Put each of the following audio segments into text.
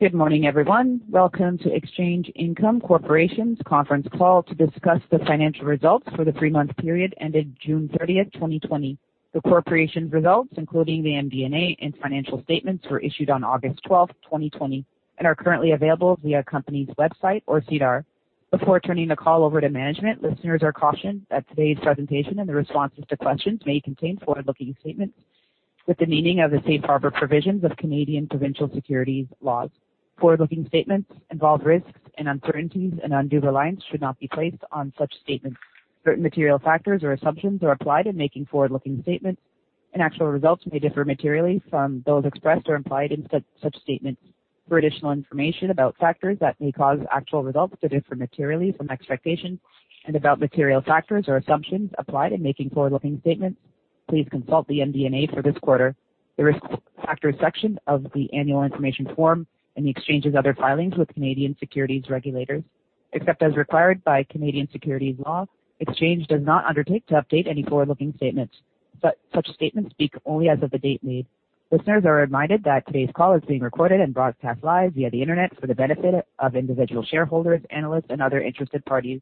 Good morning, everyone. Welcome to Exchange Income Corporation's conference call to discuss the financial results for the three-month period ended June 30th, 2020. The corporation's results, including the MD&A and financial statements, were issued on August 12th, 2020, and are currently available via company's website or SEDAR. Before turning the call over to management, listeners are cautioned that today's presentation and the responses to questions may contain forward-looking statements with the meaning of the safe harbor provisions of Canadian provincial securities laws. Forward-looking statements involve risks and uncertainties, and undue reliance should not be placed on such statements. Certain material factors or assumptions are applied in making forward-looking statements, and actual results may differ materially from those expressed or implied in such statements. For additional information about factors that may cause actual results to differ materially from expectations and about material factors or assumptions applied in making forward-looking statements, please consult the MD&A for this quarter, the Risk Factors section of the annual information form, and the Exchange's other filings with Canadian securities regulators. Except as required by Canadian securities law, Exchange does not undertake to update any forward-looking statements. Such statements speak only as of the date made. Listeners are reminded that today's call is being recorded and broadcast live via the Internet for the benefit of individual shareholders, analysts, and other interested parties.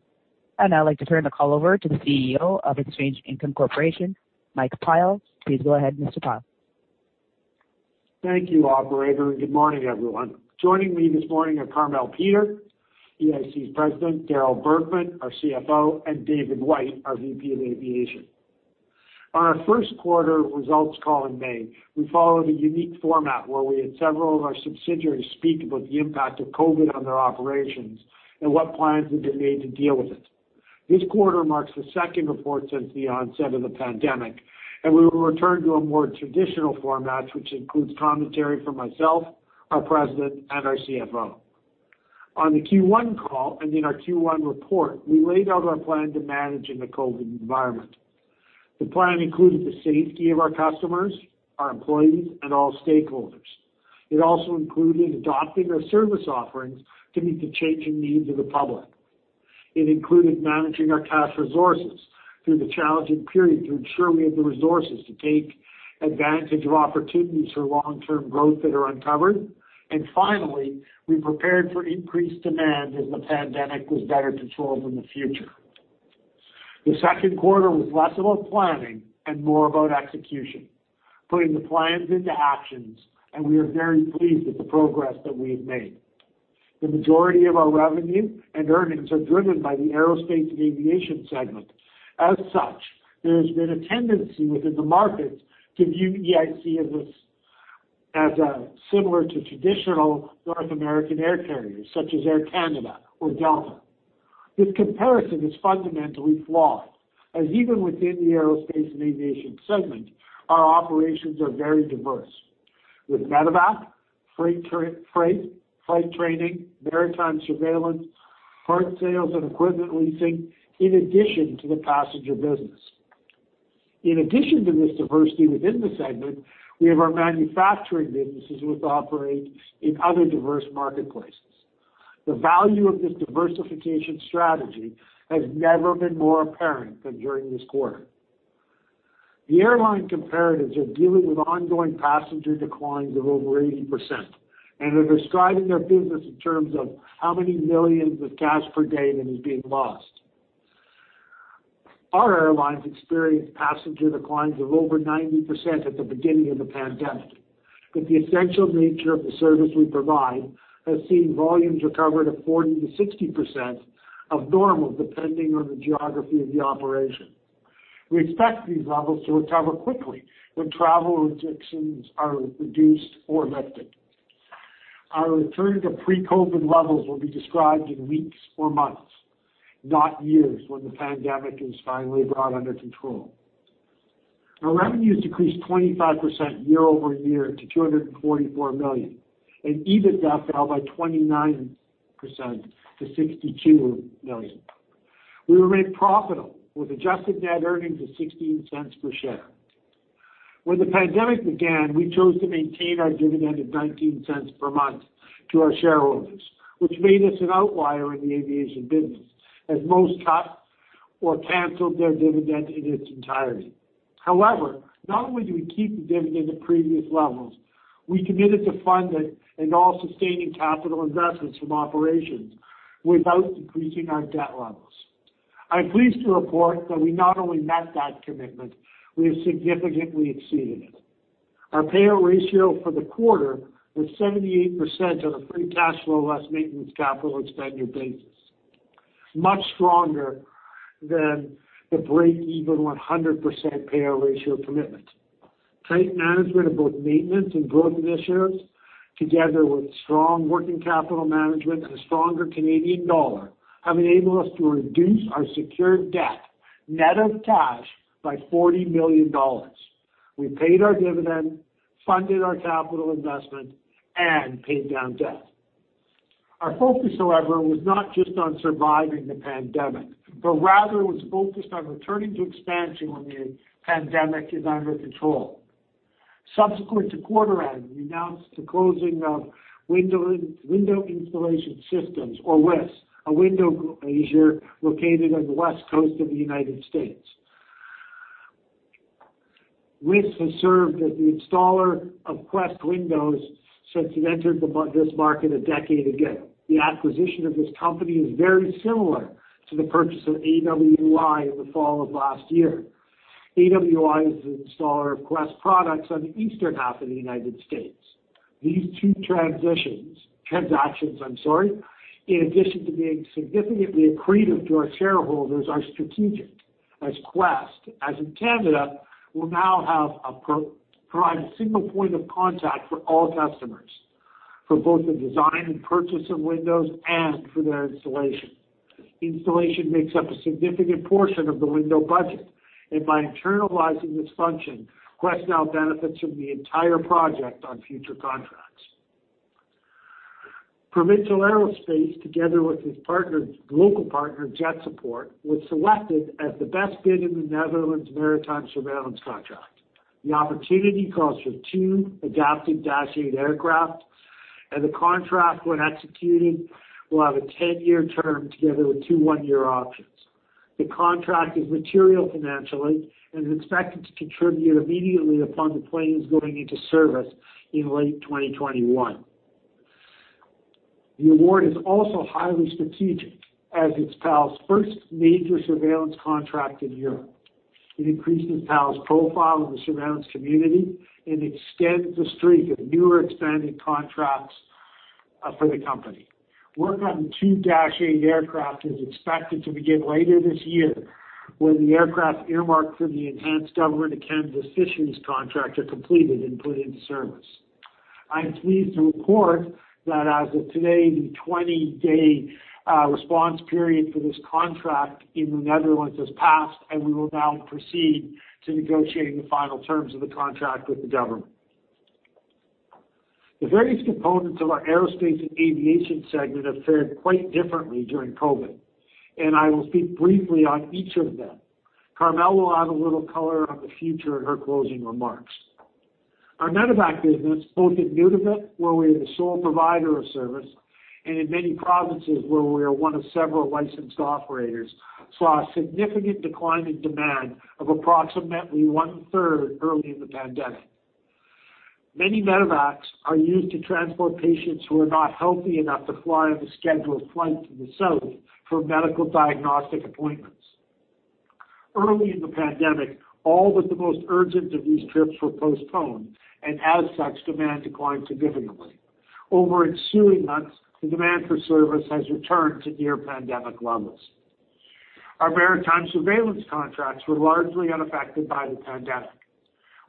I'd now like to turn the call over to the CEO of Exchange Income Corporation, Michael Pyle. Please go ahead, Mr. Pyle. Thank you, operator, and good morning, everyone. Joining me this morning are Carmele Peter, EIC's President, Darryl Bergman, our CFO, and David White, our VP of Aviation. On our first quarter results call in May, we followed a unique format where we had several of our subsidiaries speak about the impact of COVID on their operations and what plans have been made to deal with it. This quarter marks the second report since the onset of the pandemic, and we will return to a more traditional format, which includes commentary from myself, our president, and our CFO. On the Q1 call and in our Q1 report, we laid out our plan to manage in the COVID environment. The plan included the safety of our customers, our employees, and all stakeholders. It also included adopting our service offerings to meet the changing needs of the public. It included managing our cash resources through the challenging period to ensure we have the resources to take advantage of opportunities for long-term growth that are uncovered. Finally, we prepared for increased demand as the pandemic was better controlled in the future. The second quarter was less about planning and more about execution, putting the plans into actions, and we are very pleased with the progress that we have made. The majority of our revenue and earnings are driven by the aerospace and aviation segment. As such, there has been a tendency within the market to view EIC as similar to traditional North American air carriers, such as Air Canada or Delta. This comparison is fundamentally flawed, as even within the aerospace and aviation segment, our operations are very diverse. With medevac, freight, flight training, maritime surveillance, parts sales, and equipment leasing, in addition to the passenger business. In addition to this diversity within the segment, we have our manufacturing businesses, which operate in other diverse marketplaces. The value of this diversification strategy has never been more apparent than during this quarter. The airline comparatives are dealing with ongoing passenger declines of over 80% and are describing their business in terms of how many millions of cash per day that is being lost. Our airlines experienced passenger declines of over 90% at the beginning of the pandemic, but the essential nature of the service we provide has seen volumes recover to 40%-60% of normal, depending on the geography of the operation. We expect these levels to recover quickly when travel restrictions are reduced or lifted. Our return to pre-COVID levels will be described in weeks or months, not years, when the pandemic is finally brought under control. Our revenues decreased 25% year-over-year to 244 million, and EBITDA fell by 29% to 62 million. We remained profitable with adjusted net earnings of 0.16 per share. When the pandemic began, we chose to maintain our dividend of 0.19 per month to our shareholders, which made us an outlier in the aviation business, as most cut or canceled their dividend in its entirety. However, not only do we keep the dividend at previous levels, we committed to fund it and all sustaining capital investments from operations without increasing our debt levels. I'm pleased to report that we not only met that commitment, we have significantly exceeded it. Our payout ratio for the quarter was 78% on a free cash flow less maintenance capital expenditure basis, much stronger than the break-even 100% payout ratio commitment. Tight management of both maintenance and growth initiatives, together with strong working capital management and a stronger Canadian dollar, have enabled us to reduce our secured debt net of cash by 40 million dollars. We paid our dividend, funded our capital investment, and paid down debt. Our focus, however, was not just on surviving the pandemic, but rather was focused on returning to expansion when the pandemic is under control. Subsequent to quarter-end, we announced the closing of Window Installation Systems, or WIS, a window glazier located on the West Coast of the United States. WIS has served as the installer of Quest Window Systems since it entered this market a decade ago. The acquisition of this company is very similar to the purchase of AWI in the fall of last year. AWI is the installer of Quest products on the eastern half of the United States. These two transactions, in addition to being significantly accretive to our shareholders, are strategic as Quest, as in Canada, will now provide a single point of contact for all customers for both the design and purchase of windows and for their installation. Installation makes up a significant portion of the window budget, and by internalizing this function, Quest now benefits from the entire project on future contracts. Provincial Aerospace, together with its local partner, JetSupport, was selected as the best bid in the Netherlands Maritime Surveillance contract. The opportunity calls for two adapted Dash 8 aircraft, and the contract, when executed, will have a 10-year term together with two, one-year options. The contract is material financially and is expected to contribute immediately upon the planes going into service in late 2021. The award is also highly strategic as it's PAL's first major surveillance contract in Europe. It increases PAL's profile in the surveillance community and extends the streak of new or expanded contracts for the company. Work on the two Dash 8 aircraft is expected to begin later this year when the aircraft earmarked for the enhanced Government of Canada fisheries contract are completed and put into service. I am pleased to report that as of today, the 20-day response period for this contract in the Netherlands has passed, and we will now proceed to negotiating the final terms of the contract with the government. The various components of our aerospace and aviation segment have fared quite differently during COVID, and I will speak briefly on each of them. Carmele will add a little color on the future in her closing remarks. Our medevac business, both in Nunavut, where we are the sole provider of service, and in many provinces where we are one of several licensed operators, saw a significant decline in demand of approximately 1/3 early in the pandemic. Many medevacs are used to transport patients who are not healthy enough to fly on a scheduled flight to the south for medical diagnostic appointments. Early in the pandemic, all but the most urgent of these trips were postponed, and as such, demand declined significantly. Over ensuing months, the demand for service has returned to near pandemic levels. Our maritime surveillance contracts were largely unaffected by the pandemic.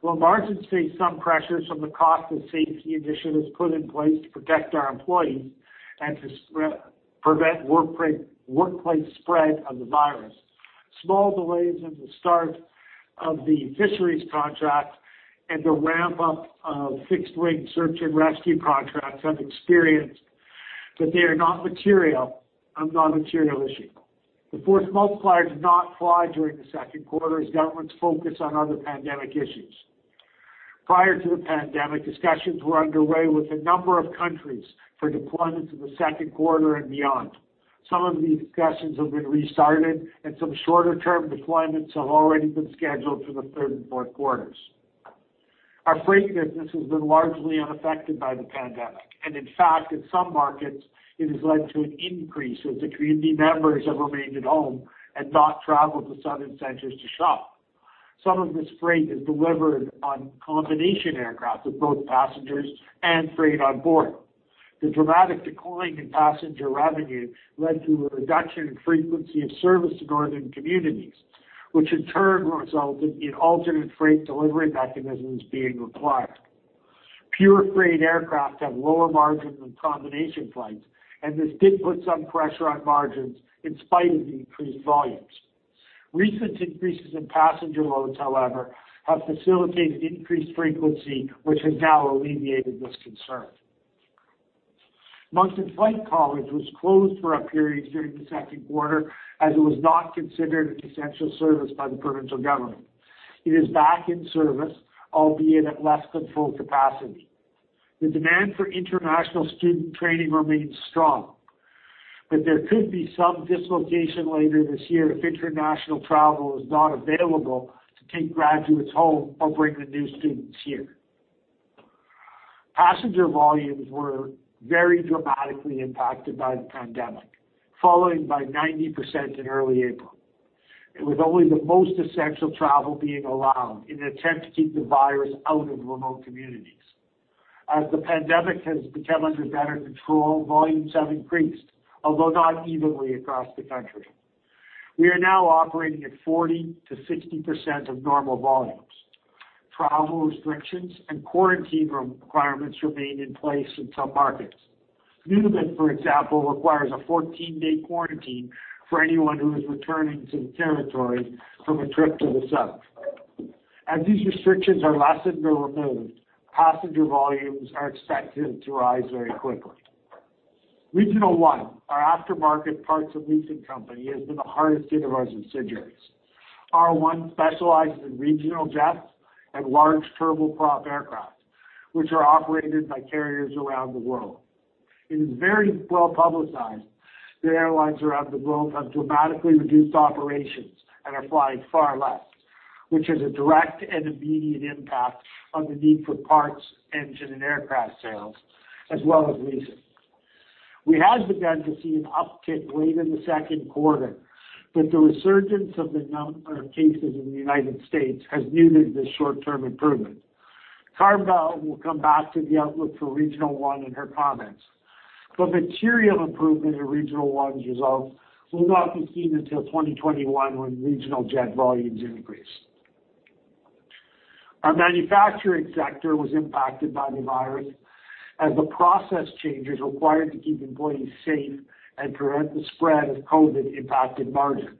While margins faced some pressures from the cost of safety initiatives put in place to protect our employees and to prevent workplace spread of the virus, small delays in the start of the fisheries contract and the ramp-up of fixed-wing search and rescue contracts have experienced, but they are a non-material issue. The Force Multiplier did not fly during the second quarter as governments focus on other pandemic issues. Prior to the pandemic, discussions were underway with a number of countries for deployments in the second quarter and beyond. Some of these discussions have been restarted and some shorter-term deployments have already been scheduled for the third and fourth quarters. Our freight business has been largely unaffected by the pandemic, and in fact, in some markets, it has led to an increase as the community members have remained at home and not traveled to southern centers to shop. Some of this freight is delivered on combination aircraft with both passengers and freight on board. The dramatic decline in passenger revenue led to a reduction in frequency of service to northern communities, which in turn resulted in alternate freight delivery mechanisms being required. Pure freight aircraft have lower margins than combination flights, and this did put some pressure on margins in spite of the increased volumes. Recent increases in passenger loads, however, have facilitated increased frequency, which has now alleviated this concern. Moncton Flight College was closed for a period during the second quarter, as it was not considered an essential service by the provincial government. It is back in service, albeit at less than full capacity. The demand for international student training remains strong, but there could be some dislocation later this year if international travel is not available to take graduates home or bring the new students here. Passenger volumes were very dramatically impacted by the pandemic, falling by 90% in early April. It was only the most essential travel being allowed in an attempt to keep the virus out of remote communities. As the pandemic has become under better control, volumes have increased, although not evenly across the country. We are now operating at 40%-60% of normal volumes. Travel restrictions and quarantine requirements remain in place in some markets. Nunavut, for example, requires a 14-day quarantine for anyone who is returning to the territory from a trip to the South. As these restrictions are lessened or removed, passenger volumes are expected to rise very quickly. Regional One, our aftermarket parts and leasing company, has been the hardest hit of our subsidiaries. R1 specializes in regional jets and large turboprop aircraft, which are operated by carriers around the world. It is very well-publicized that airlines around the globe have dramatically reduced operations and are flying far less, which has a direct and immediate impact on the need for parts, engine, and aircraft sales, as well as leasing. We have begun to see an uptick late in the second quarter, but the resurgence of the number of cases in the United States has muted this short-term improvement. Carmele will come back to the outlook for Regional One in her comments, but material improvement in Regional One's results will not be seen until 2021 when regional jet volumes increase. Our manufacturing sector was impacted by the virus as the process changes required to keep employees safe and prevent the spread of COVID-19 impacted margins.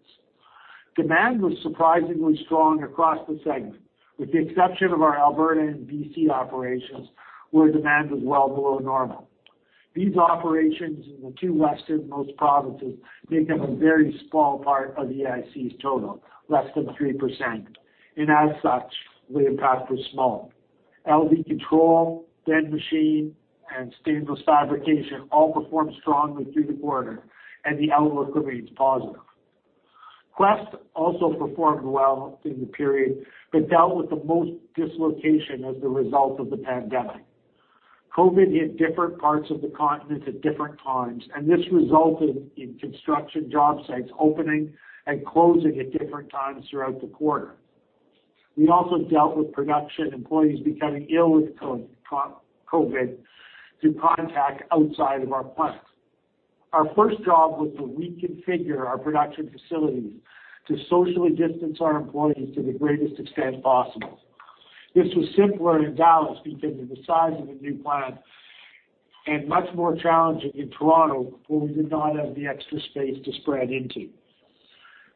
Demand was surprisingly strong across the segment, with the exception of our Alberta and BC operations, where demand was well below normal. These operations in the two westernmost provinces make them a very small part of EIC's total, less than 3%, and as such, the impact was small. LV Control, Ben Machine, and Stainless Fabrication all performed strongly through the quarter, and the outlook remains positive. Quest also performed well in the period but dealt with the most dislocation as the result of the pandemic. COVID-19 hit different parts of the continent at different times, and this resulted in construction job sites opening and closing at different times throughout the quarter. We also dealt with production employees becoming ill with COVID through contact outside of our plants. Our first job was to reconfigure our production facilities to socially distance our employees to the greatest extent possible. This was simpler in Dallas because of the size of the new plant and much more challenging in Toronto, where we did not have the extra space to spread into.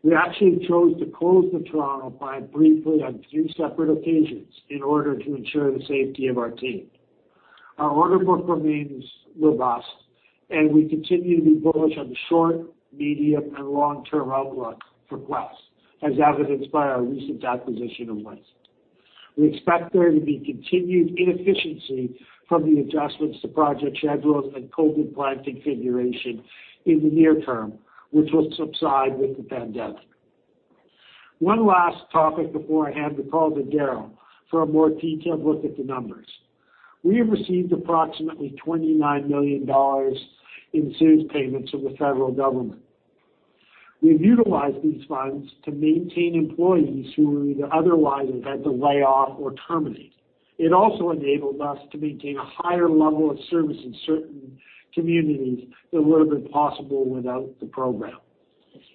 We actually chose to close the Toronto plant briefly on three separate occasions in order to ensure the safety of our team. Our order book remains robust, and we continue to be bullish on the short, medium, and long-term outlook for Quest, as evidenced by our recent acquisition of WIS. We expect there to be continued inefficiency from the adjustments to project schedules and COVID plant configuration in the near term, which will subside with the pandemic. One last topic before I hand the call to Darryl for a more detailed look at the numbers. We have received approximately $29 million in CEWS payments from the federal government. We've utilized these funds to maintain employees who we either otherwise have had to lay off or terminate. It also enabled us to maintain a higher level of service in certain communities that wouldn't have been possible without the program.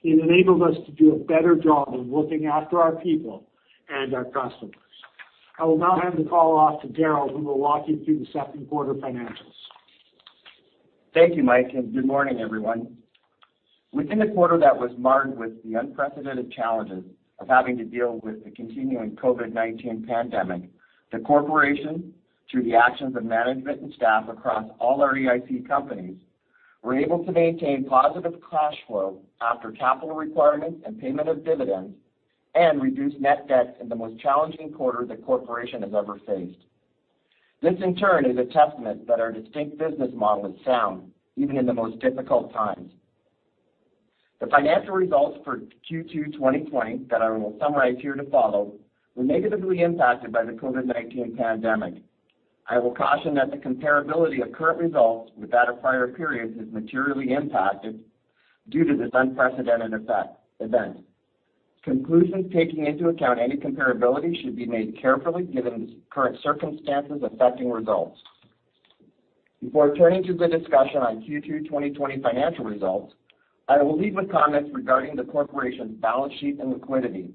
It enabled us to do a better job of looking after our people and our customers. I will now hand the call off to Darryl, who will walk you through the second quarter financials. Thank you, Mike, and good morning, everyone. Within a quarter that was marred with the unprecedented challenges of having to deal with the continuing COVID-19 pandemic, the corporation, through the actions of management and staff across all our EIC companies, were able to maintain positive cash flow after capital requirements and payment of dividends and reduce net debt in the most challenging quarter the corporation has ever faced. This, in turn, is a testament that our distinct business model is sound, even in the most difficult times. The financial results for Q2 2020 that I will summarize here to follow were negatively impacted by the COVID-19 pandemic. I will caution that the comparability of current results with that of prior periods is materially impacted due to this unprecedented event. Conclusions taking into account any comparability should be made carefully given the current circumstances affecting results. Before turning to the discussion on Q2 2020 financial results, I will lead with comments regarding the corporation's balance sheet and liquidity.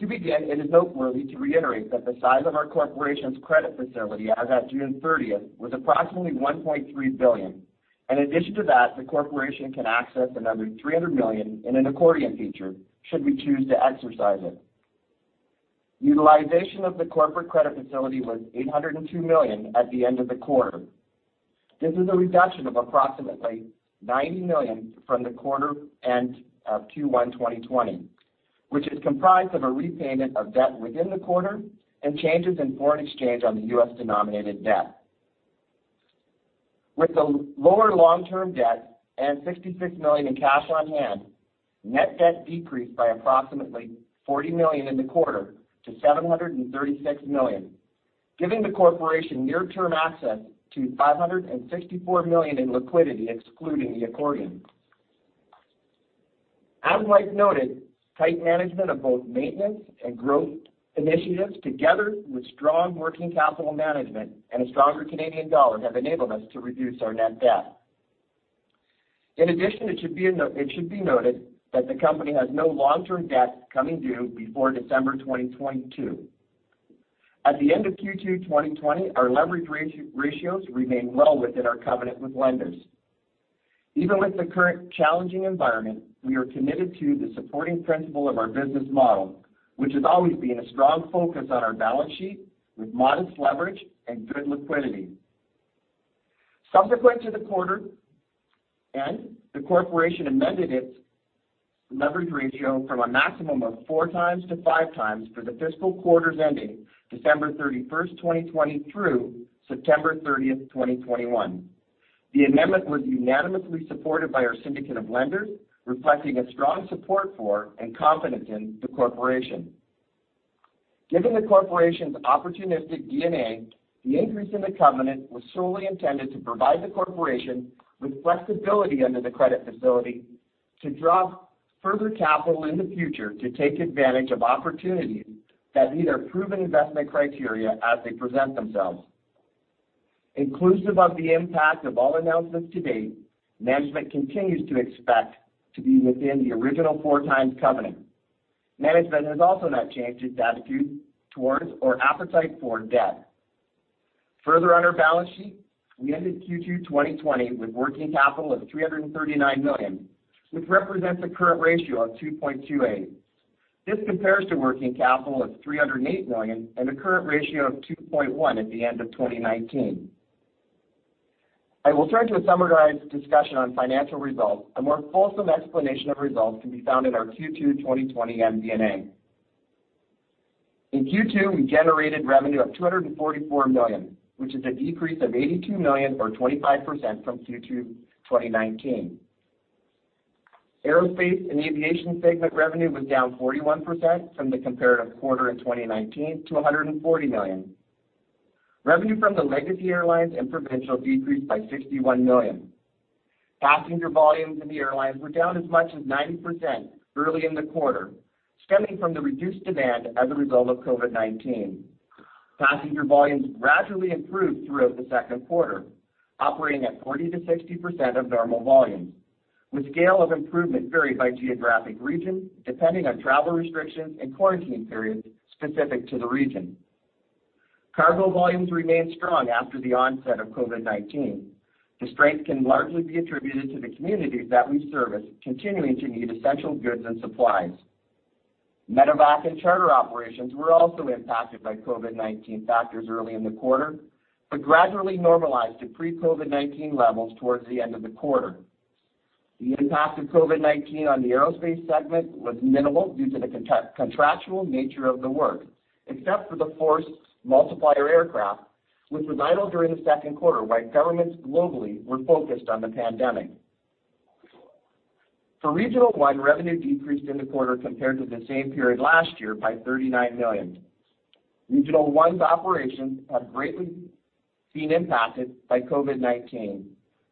To begin, it is noteworthy to reiterate that the size of our corporation's credit facility as at June 30th was approximately 1.3 billion. In addition to that, the corporation can access another 300 million in an accordion feature should we choose to exercise it. Utilization of the corporate credit facility was 802 million at the end of the quarter. This is a reduction of approximately 90 million from the quarter end of Q1 2020, which is comprised of a repayment of debt within the quarter and changes in foreign exchange on the U.S.-denominated debt. With the lower long-term debt and 66 million in cash on hand, net debt decreased by approximately 40 million in the quarter to 736 million, giving the corporation near-term access to 564 million in liquidity, excluding the accordion. As Mike noted, tight management of both maintenance and growth initiatives, together with strong working capital management and a stronger Canadian dollar, have enabled us to reduce our net debt. In addition, it should be noted that the company has no long-term debt coming due before December 2022. At the end of Q2 2020, our leverage ratios remain well within our covenant with lenders. Even with the current challenging environment, we are committed to the supporting principle of our business model, which has always been a strong focus on our balance sheet with modest leverage and good liquidity. Subsequent to the quarter end, the corporation amended its leverage ratio from a maximum of 4x-5x for the fiscal quarters ending December 31st, 2020, through September 30th, 2021. The amendment was unanimously supported by our syndicate of lenders, reflecting a strong support for, and confidence in, the corporation. Given the corporation's opportunistic DNA, the increase in the covenant was solely intended to provide the corporation with flexibility under the credit facility to draw further capital in the future to take advantage of opportunities that meet our proven investment criteria as they present themselves. Inclusive of the impact of all announcements to date, management continues to expect to be within the original four times covenant. Management has also not changed its attitude towards or appetite for debt. Further on our balance sheet, we ended Q2 2020 with working capital of 339 million, which represents a current ratio of 2.28. This compares to working capital of CAD 308 million and a current ratio of 2.1 at the end of 2019. I will turn to a summarized discussion on financial results. A more fulsome explanation of results can be found in our Q2 2020 MD&A. In Q2, we generated revenue of 244 million, which is a decrease of 82 million or 25% from Q2 2019. Aerospace and aviation segment revenue was down 41% from the comparative quarter in 2019 to 140 million. Revenue from the Legacy Airlines and Provincial decreased by 61 million. Passenger volumes in the airlines were down as much as 90% early in the quarter, stemming from the reduced demand as a result of COVID-19. Passenger volumes gradually improved throughout the second quarter, operating at 40%-60% of normal volumes, with scale of improvement varied by geographic region, depending on travel restrictions and quarantine periods specific to the region. Cargo volumes remained strong after the onset of COVID-19. The strength can largely be attributed to the communities that we service continuing to need essential goods and supplies. Medevac and charter operations were also impacted by COVID-19 factors early in the quarter, but gradually normalized to pre-COVID-19 levels towards the end of the quarter. The impact of COVID-19 on the aerospace segment was minimal due to the contractual nature of the work, except for the Force Multiplier aircraft, which was idle during the second quarter while governments globally were focused on the pandemic. For Regional One, revenue decreased in the quarter compared to the same period last year by 39 million. Regional One's operations have greatly been impacted by COVID-19.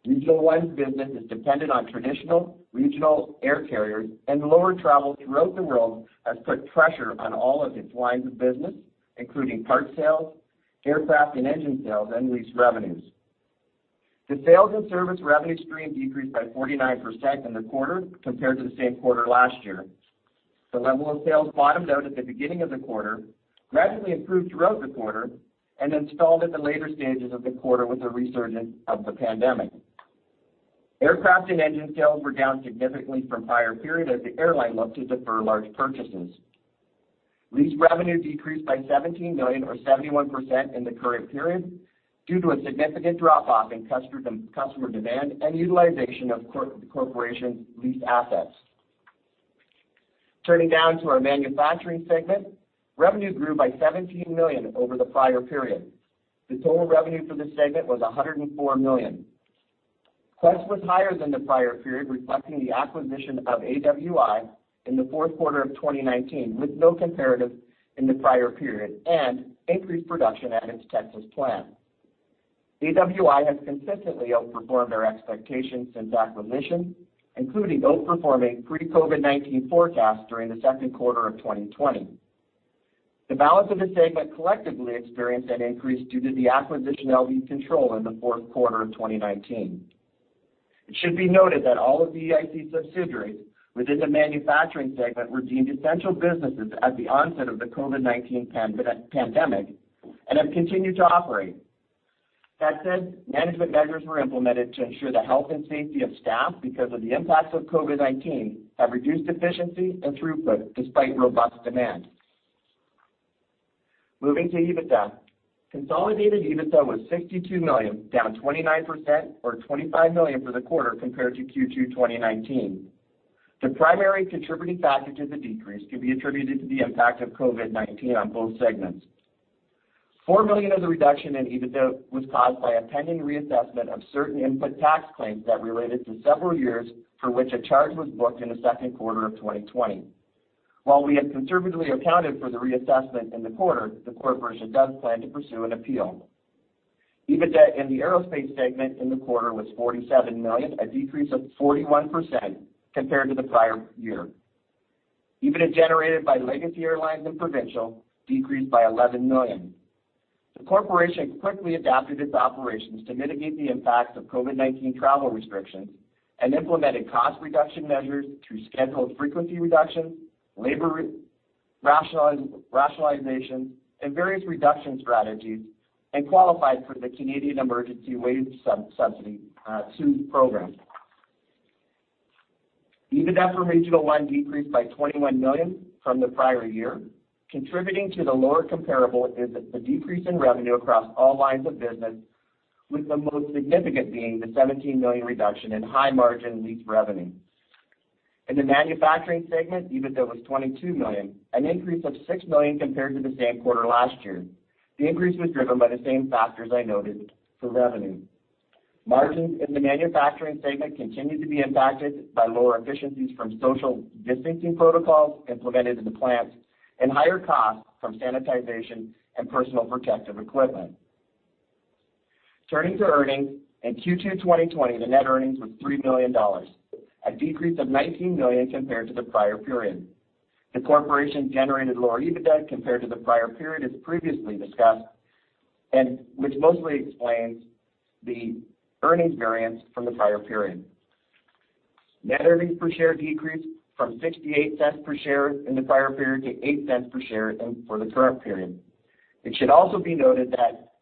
Regional One's business is dependent on traditional regional air carriers, and lower travel throughout the world has put pressure on all of its lines of business, including parts sales, aircraft and engine sales, and lease revenues. The sales and service revenue stream decreased by 49% in the quarter compared to the same quarter last year. The level of sales bottomed out at the beginning of the quarter, gradually improved throughout the quarter, and then stalled at the later stages of the quarter with a resurgence of the pandemic. Aircraft and engine sales were down significantly from prior period as the airline looked to defer large purchases. Lease revenue decreased by 17 million or 71% in the current period due to a significant drop-off in customer demand and utilization of the Corporation's leased assets. Turning now to our manufacturing segment, revenue grew by 17 million over the prior period. The total revenue for the segment was 104 million. Quest was higher than the prior period, reflecting the acquisition of AWI in the fourth quarter of 2019, with no comparative in the prior period, and increased production at its Texas plant. AWI has consistently outperformed our expectations since acquisition, including outperforming pre-COVID-19 forecasts during the second quarter of 2020. The balance of the segment collectively experienced an increase due to the acquisition of LV Control in the fourth quarter of 2019. It should be noted that all of EIC's subsidiaries within the manufacturing segment were deemed essential businesses at the onset of the COVID-19 pandemic and have continued to operate. That said, management measures were implemented to ensure the health and safety of staff because of the impacts of COVID-19 have reduced efficiency and throughput despite robust demand. Moving to EBITDA. Consolidated EBITDA was 62 million, down 29% or 25 million for the quarter compared to Q2 2019. The primary contributing factor to the decrease can be attributed to the impact of COVID-19 on both segments. 4 million of the reduction in EBITDA was caused by a pending reassessment of certain input tax claims that related to several years for which a charge was booked in the second quarter of 2020. While we have conservatively accounted for the reassessment in the quarter, the corporation does plan to pursue an appeal. EBITDA in the aerospace segment in the quarter was 47 million, a decrease of 41% compared to the prior year. EBITDA generated by Legacy Airlines and Provincial decreased by 11 million. The corporation quickly adapted its operations to mitigate the impacts of COVID-19 travel restrictions and implemented cost reduction measures through scheduled frequency reductions, labor rationalizations, and various reduction strategies, and qualified for the Canada Emergency Wage Subsidy program. EBITDA for Regional One decreased by 21 million from the prior year. Contributing to the lower comparable is the decrease in revenue across all lines of business, with the most significant being the 17 million reduction in high margin lease revenue. In the manufacturing segment, EBITDA was 22 million, an increase of 6 million compared to the same quarter last year. The increase was driven by the same factors I noted for revenue. Margins in the manufacturing segment continued to be impacted by lower efficiencies from social distancing protocols implemented in the plants and higher costs from sanitization and personal protective equipment. Turning to earnings, in Q2 2020, the net earnings was 3 million dollars, a decrease of 19 million compared to the prior period. The corporation generated lower EBITDA compared to the prior period, as previously discussed, and which mostly explains the earnings variance from the prior period. Net earnings per share decreased from 0.68 per share in the prior period to 0.08 per share for the current period. It should also be noted that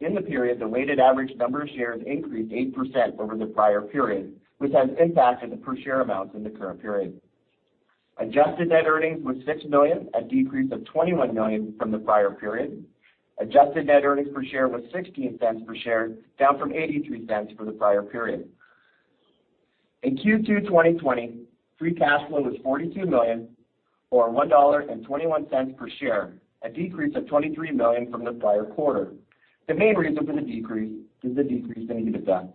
in the period, the weighted average number of shares increased 8% over the prior period, which has impacted the per share amounts in the current period. Adjusted net earnings was 6 million, a decrease of 21 million from the prior period. Adjusted net earnings per share was 0.16 per share, down from 0.83 for the prior period. In Q2 2020, free cash flow was 42 million, or 1.21 dollar per share, a decrease of 23 million from the prior quarter. The main reason for the decrease is the decrease in EBITDA.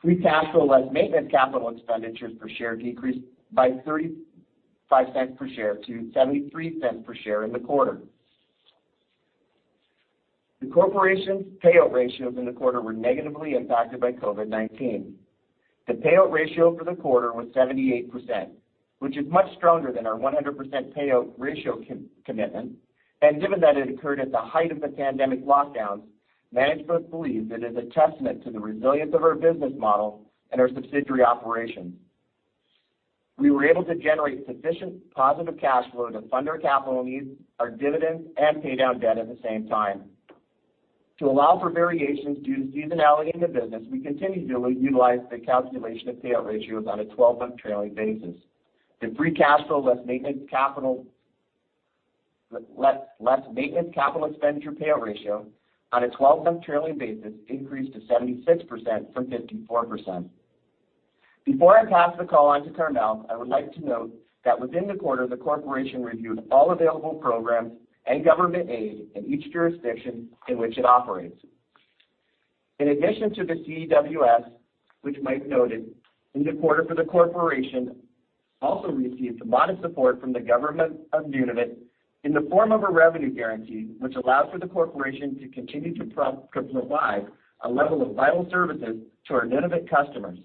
Free cash flow, less maintenance capital expenditures per share decreased by 0.35 per share to 0.73 per share in the quarter. The corporation's payout ratios in the quarter were negatively impacted by COVID-19. The payout ratio for the quarter was 78%, which is much stronger than our 100% payout ratio commitment, and given that it occurred at the height of the pandemic lockdowns, management believes it is a testament to the resilience of our business model and our subsidiary operations. We were able to generate sufficient positive cash flow to fund our capital needs, our dividends, and pay down debt at the same time. To allow for variations due to seasonality in the business, we continue to utilize the calculation of payout ratios on a 12-month trailing basis. The free cash flow, less maintenance capital expenditure payout ratio on a 12-month trailing basis increased to 76% from 54%. Before I pass the call on to Carmele, I would like to note that within the quarter, the corporation reviewed all available programs and government aid in each jurisdiction in which it operates. In addition to the CEWS, which Mike noted, in the quarter for the corporation also received modest support from the Government of Nunavut in the form of a revenue guarantee, which allows for the corporation to continue to provide a level of vital services to our Nunavut customers.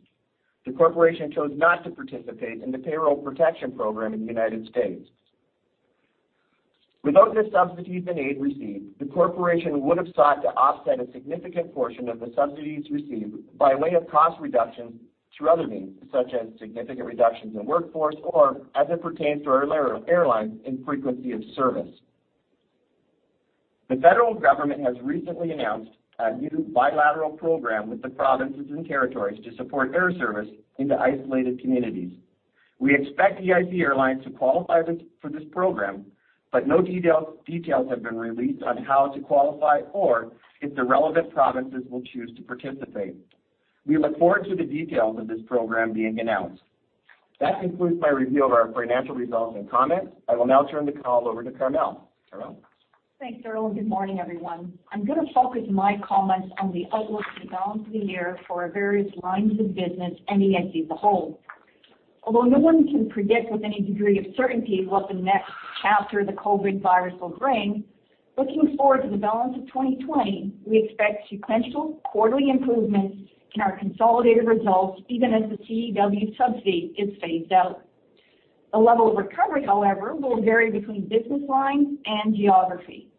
The corporation chose not to participate in the Paycheck Protection Program in the United States. Without the subsidies and aid received, the corporation would have sought to offset a significant portion of the subsidies received by way of cost reductions through other means, such as significant reductions in workforce or, as it pertains to our airlines, in frequency of service. The federal government has recently announced a new bilateral program with the provinces and territories to support air service into isolated communities. We expect EIC Airlines to qualify for this program, but no details have been released on how to qualify or if the relevant provinces will choose to participate. We look forward to the details of this program being announced. That concludes my review of our financial results and comments. I will now turn the call over to Carmele. Carmele? Thanks, Darryl, good morning, everyone. I'm going to focus my comments on the outlook for the balance of the year for our various lines of business and EIC as a whole. Although no one can predict with any degree of certainty what the next chapter of the COVID-19 will bring, looking forward to the balance of 2020, we expect sequential quarterly improvements in our consolidated results, even as the CEWS subsidy is phased out. The level of recovery, however, will vary between business lines and geography.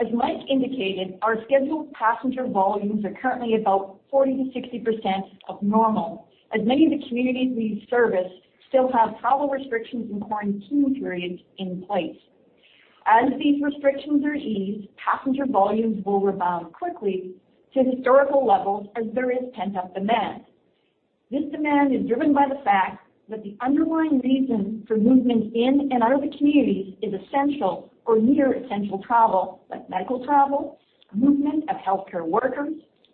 As Mike indicated, our scheduled passenger volumes are currently about 40%-60% of normal, as many of the communities we service still have travel restrictions and quarantine periods in place. As these restrictions are eased, passenger volumes will rebound quickly to historical levels as there is pent-up demand. This demand is driven by the fact that the underlying reason for movement in and out of the communities is essential or near essential travel, like medical travel, movement of healthcare workers,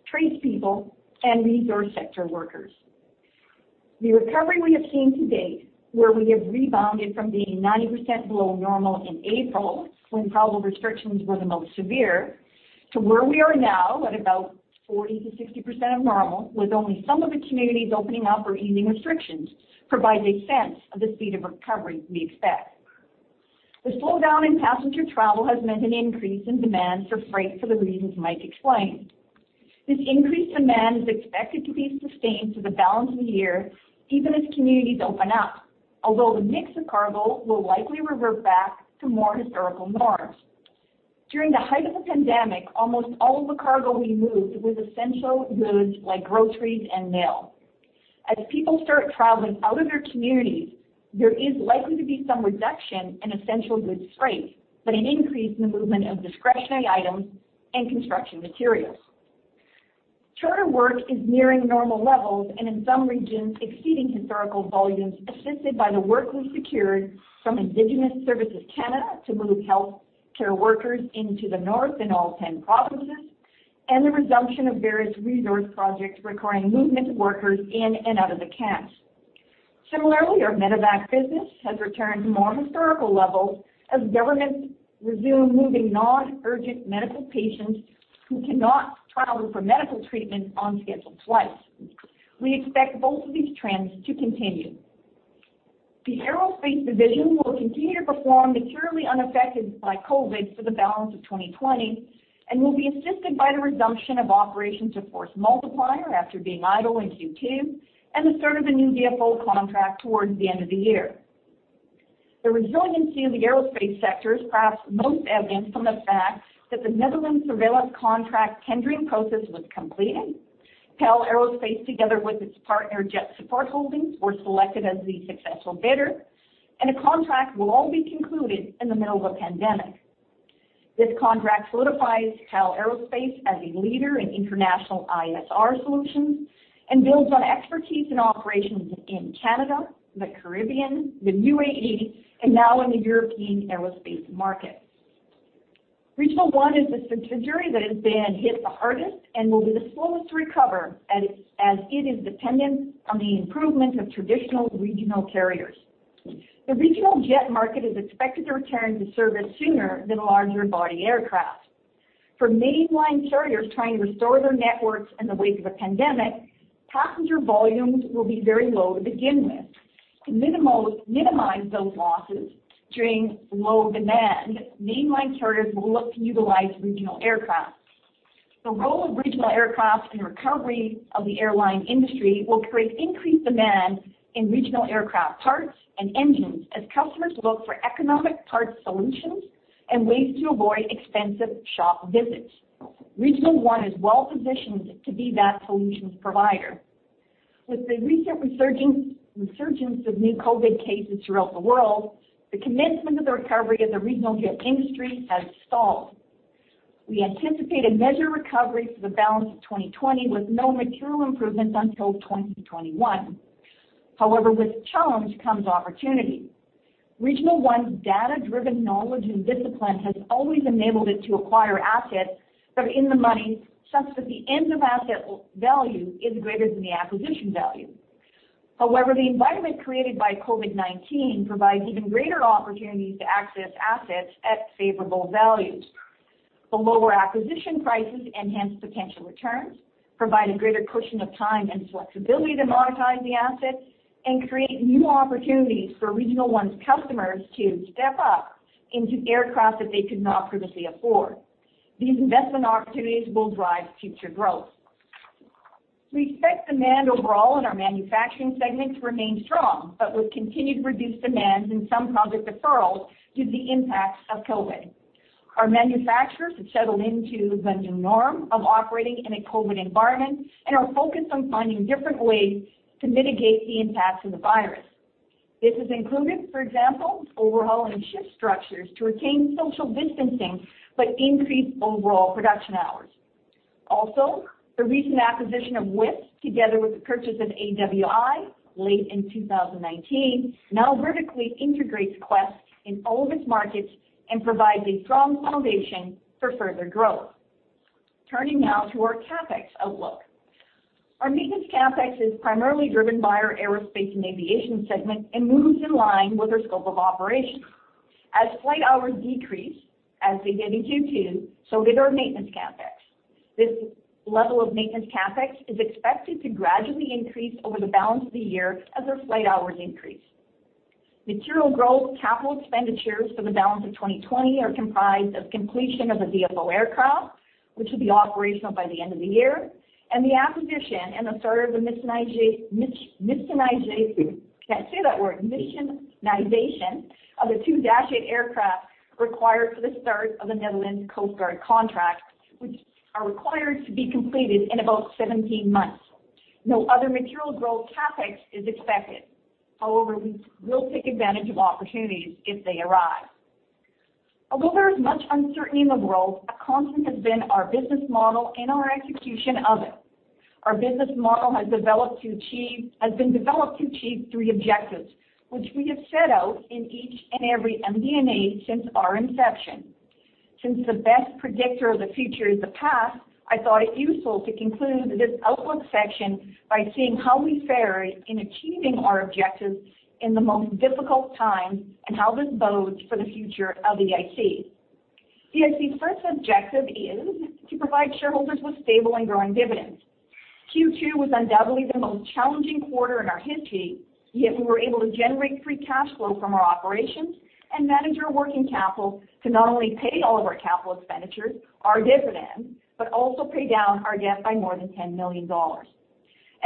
tradespeople, and resource sector workers. The recovery we have seen to date, where we have rebounded from being 90% below normal in April, when travel restrictions were the most severe, to where we are now at about 40%-60% of normal, with only some of the communities opening up or easing restrictions, provides a sense of the speed of recovery we expect. The slowdown in passenger travel has meant an increase in demand for freight for the reasons Mike explained. This increased demand is expected to be sustained for the balance of the year, even as communities open up, although the mix of cargo will likely revert back to more historical norms. During the height of the pandemic, almost all of the cargo we moved was essential goods like groceries and mail. As people start traveling out of their communities, there is likely to be some reduction in essential goods freight, but an increase in the movement of discretionary items and construction materials. Charter work is nearing normal levels and in some regions exceeding historical volumes assisted by the work we secured from Indigenous Services Canada to move healthcare workers into the north in all 10 provinces, and the resumption of various resource projects requiring movement of workers in and out of the camps. Similarly, our medevac business has returned to more historical levels as governments resume moving non-urgent medical patients who cannot travel for medical treatment on scheduled flights. We expect both of these trends to continue. The aerospace division will continue to perform materially unaffected by COVID for the balance of 2020, and will be assisted by the resumption of operations of Force Multiplier after being idle in Q2, and the start of a new DFO contract towards the end of the year. The resiliency of the aerospace sector is perhaps most evident from the fact that the Netherlands surveillance contract tendering process was completed. PAL Aerospace together with its partner, JetSupport Holdings, were selected as the successful bidder, and a contract will all be concluded in the middle of a pandemic. This contract solidifies PAL Aerospace as a leader in international ISR solutions and builds on expertise and operations in Canada, the Caribbean, the UAE, and now in the European aerospace market. Regional One is the subsidiary that has been hit the hardest and will be the slowest to recover as it is dependent on the improvement of traditional regional carriers. The regional jet market is expected to return to service sooner than larger body aircraft. For mainline carriers trying to restore their networks in the wake of a pandemic, passenger volumes will be very low to begin with. To minimize those losses during low demand, mainline carriers will look to utilize regional aircraft. The role of regional aircraft in recovery of the airline industry will create increased demand in regional aircraft parts and engines as customers look for economic parts solutions and ways to avoid expensive shop visits. Regional One is well-positioned to be that solutions provider. With the recent resurgence of new COVID cases throughout the world, the commencement of the recovery of the regional jet industry has stalled. We anticipate a measured recovery for the balance of 2020 with no material improvements until 2021. However, with challenge comes opportunity. Regional One's data-driven knowledge and discipline has always enabled it to acquire assets that are in the money, such that the end of asset value is greater than the acquisition value. However, the environment created by COVID-19 provides even greater opportunities to access assets at favorable values. The lower acquisition prices enhance potential returns, provide a greater cushion of time and flexibility to monetize the assets, and create new opportunities for Regional One's customers to step up into aircraft that they could not previously afford. These investment opportunities will drive future growth. We expect demand overall in our manufacturing segment to remain strong, but with continued reduced demands and some project deferrals due to the impact of COVID. Our manufacturers have settled into the new norm of operating in a COVID environment and are focused on finding different ways to mitigate the impacts of the virus. This has included, for example, overhauling shift structures to retain social distancing, but increase overall production hours. The recent acquisition of WIS together with the purchase of AWI late in 2019 now vertically integrates Quest in all of its markets and provides a strong foundation for further growth. Turning now to our CapEx outlook. Our maintenance CapEx is primarily driven by our aerospace and aviation segment and moves in line with our scope of operations. As flight hours decrease, as they did in Q2, so did our maintenance CapEx. This level of maintenance CapEx is expected to gradually increase over the balance of the year as our flight hours increase. Material growth capital expenditures for the balance of 2020 are comprised of completion of a DFO aircraft, which will be operational by the end of the year, and the acquisition and the start of the Can't say that word, Missionization of the two Dash 8 aircraft required for the start of the Netherlands Coastguard contract, which are required to be completed in about 17 months. No other material growth CapEx is expected. However, we will take advantage of opportunities if they arise. Although there is much uncertainty in the world, a constant has been our business model and our execution of it. Our business model has been developed to achieve three objectives, which we have set out in each and every MD&A since our inception. Since the best predictor of the future is the past, I thought it useful to conclude this outlook section by seeing how we fared in achieving our objectives in the most difficult time, and how this bodes for the future of EIC. EIC's first objective is to provide shareholders with stable and growing dividends. Q2 was undoubtedly the most challenging quarter in our history, yet we were able to generate free cash flow from our operations and manage our working capital to not only pay all of our capital expenditures, our dividends, but also pay down our debt by more than 10 million dollars.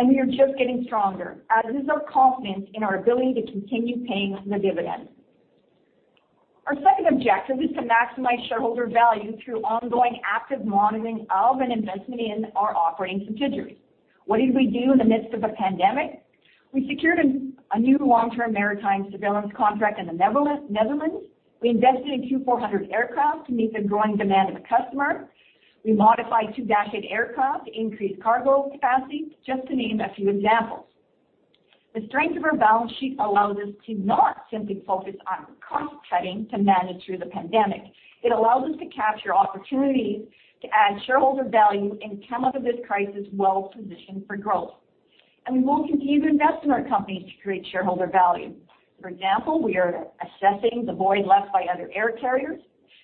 We are just getting stronger, as is our confidence in our ability to continue paying the dividend. Our second objective is to maximize shareholder value through ongoing active monitoring of and investment in our operating subsidiaries. What did we do in the midst of a pandemic? We secured a new long-term maritime surveillance contract in the Netherlands. We invested in Q400 aircraft to meet the growing demand of a customer. We modified two Dash 8 aircraft to increase cargo capacity, just to name a few examples. The strength of our balance sheet allows us to not simply focus on cost-cutting to manage through the pandemic. It allows us to capture opportunities to add shareholder value and come out of this crisis well-positioned for growth. We will continue to invest in our company to create shareholder value. For example, we are assessing the void left by other air carriers,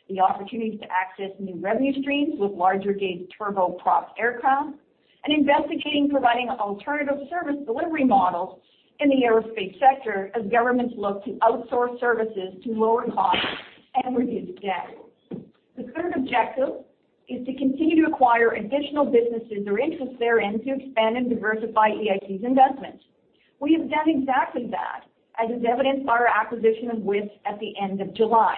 the opportunities to access new revenue streams with larger gauge turboprop aircraft, and investigating providing alternative service delivery models in the aerospace sector as governments look to outsource services to lower costs and reduce debt. The third objective is to continue to acquire additional businesses or interests therein to expand and diversify EIC's investment. We have done exactly that, as is evidenced by our acquisition of WIS at the end of July,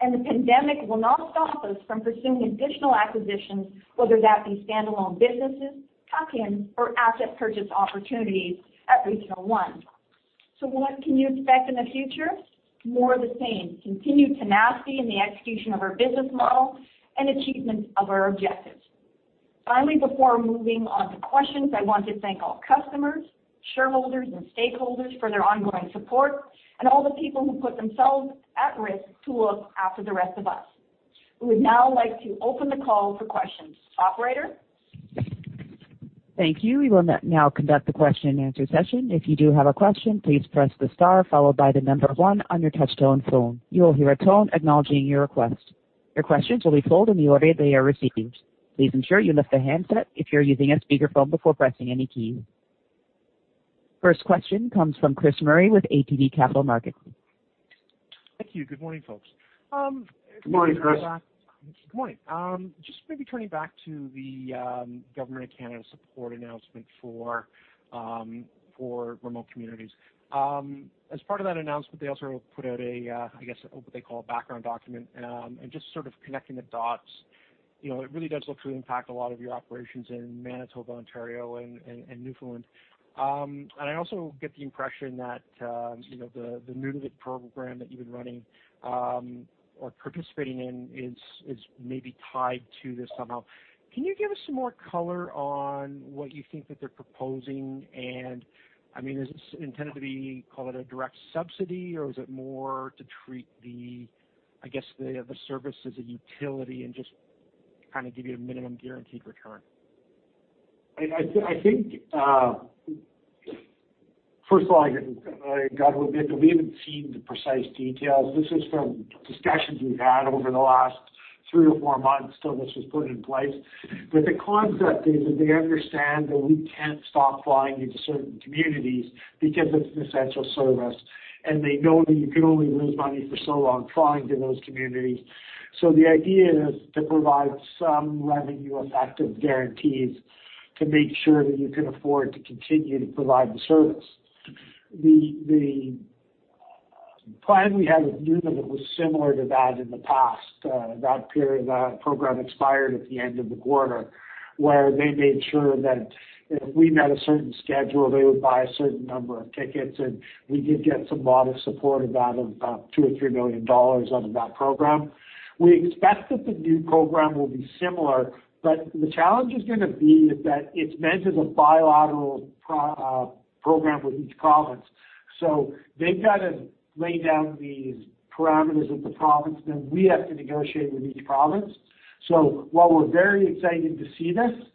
and the pandemic will not stop us from pursuing additional acquisitions, whether that be standalone businesses, tuck-ins, or asset purchase opportunities at Regional One. What can you expect in the future? More of the same. Continued tenacity in the execution of our business model and achievement of our objectives. Finally, before moving on to questions, I want to thank all customers, shareholders, and stakeholders for their ongoing support and all the people who put themselves at risk to look after the rest of us. We would now like to open the call for questions. Operator? Thank you we will now conduct the question and answer question session. If you do have a question please press the star followed by the number on your touch tone phone. You will hear a tone acknowledging your request. Please ensure you lift a hands up if you are using a speaker phone before pressing any keys. First question comes from Chris Murray with ATB Capital Markets. Thank you. Good morning, folks. Good morning, Chris. Good morning. Maybe turning back to the Government of Canada support announcement for remote communities. As part of that announcement, they also put out, I guess, what they call a background document. Just sort of connecting the dots, it really does look to impact a lot of your operations in Manitoba, Ontario, and Newfoundland. I also get the impression that the Nunavut program that you've been running or participating in is maybe tied to this somehow. Can you give us some more color on what you think that they're proposing? Is this intended to be, call it a direct subsidy, or is it more to treat the service as a utility and just kind of give you a minimum guaranteed return? I think, first of all, I got to admit that we haven't seen the precise details. This is from discussions we've had over the last three or four months till this was put in place. The concept is that they understand that we can't stop flying into certain communities because it's an essential service, and they know that you can only lose money for so long flying to those communities. The idea is to provide some revenue effective guarantees to make sure that you can afford to continue to provide the service. The plan we had with Nunavut was similar to that in the past. That program expired at the end of the quarter, where they made sure that if we met a certain schedule, they would buy a certain number of tickets. We did get some modest support of about $2 million or $3 million out of that program. We expect that the new program will be similar. The challenge is going to be that it's meant as a bilateral program with each province. They've got to lay down these parameters with the province. We have to negotiate with each province. While we're very excited to see this,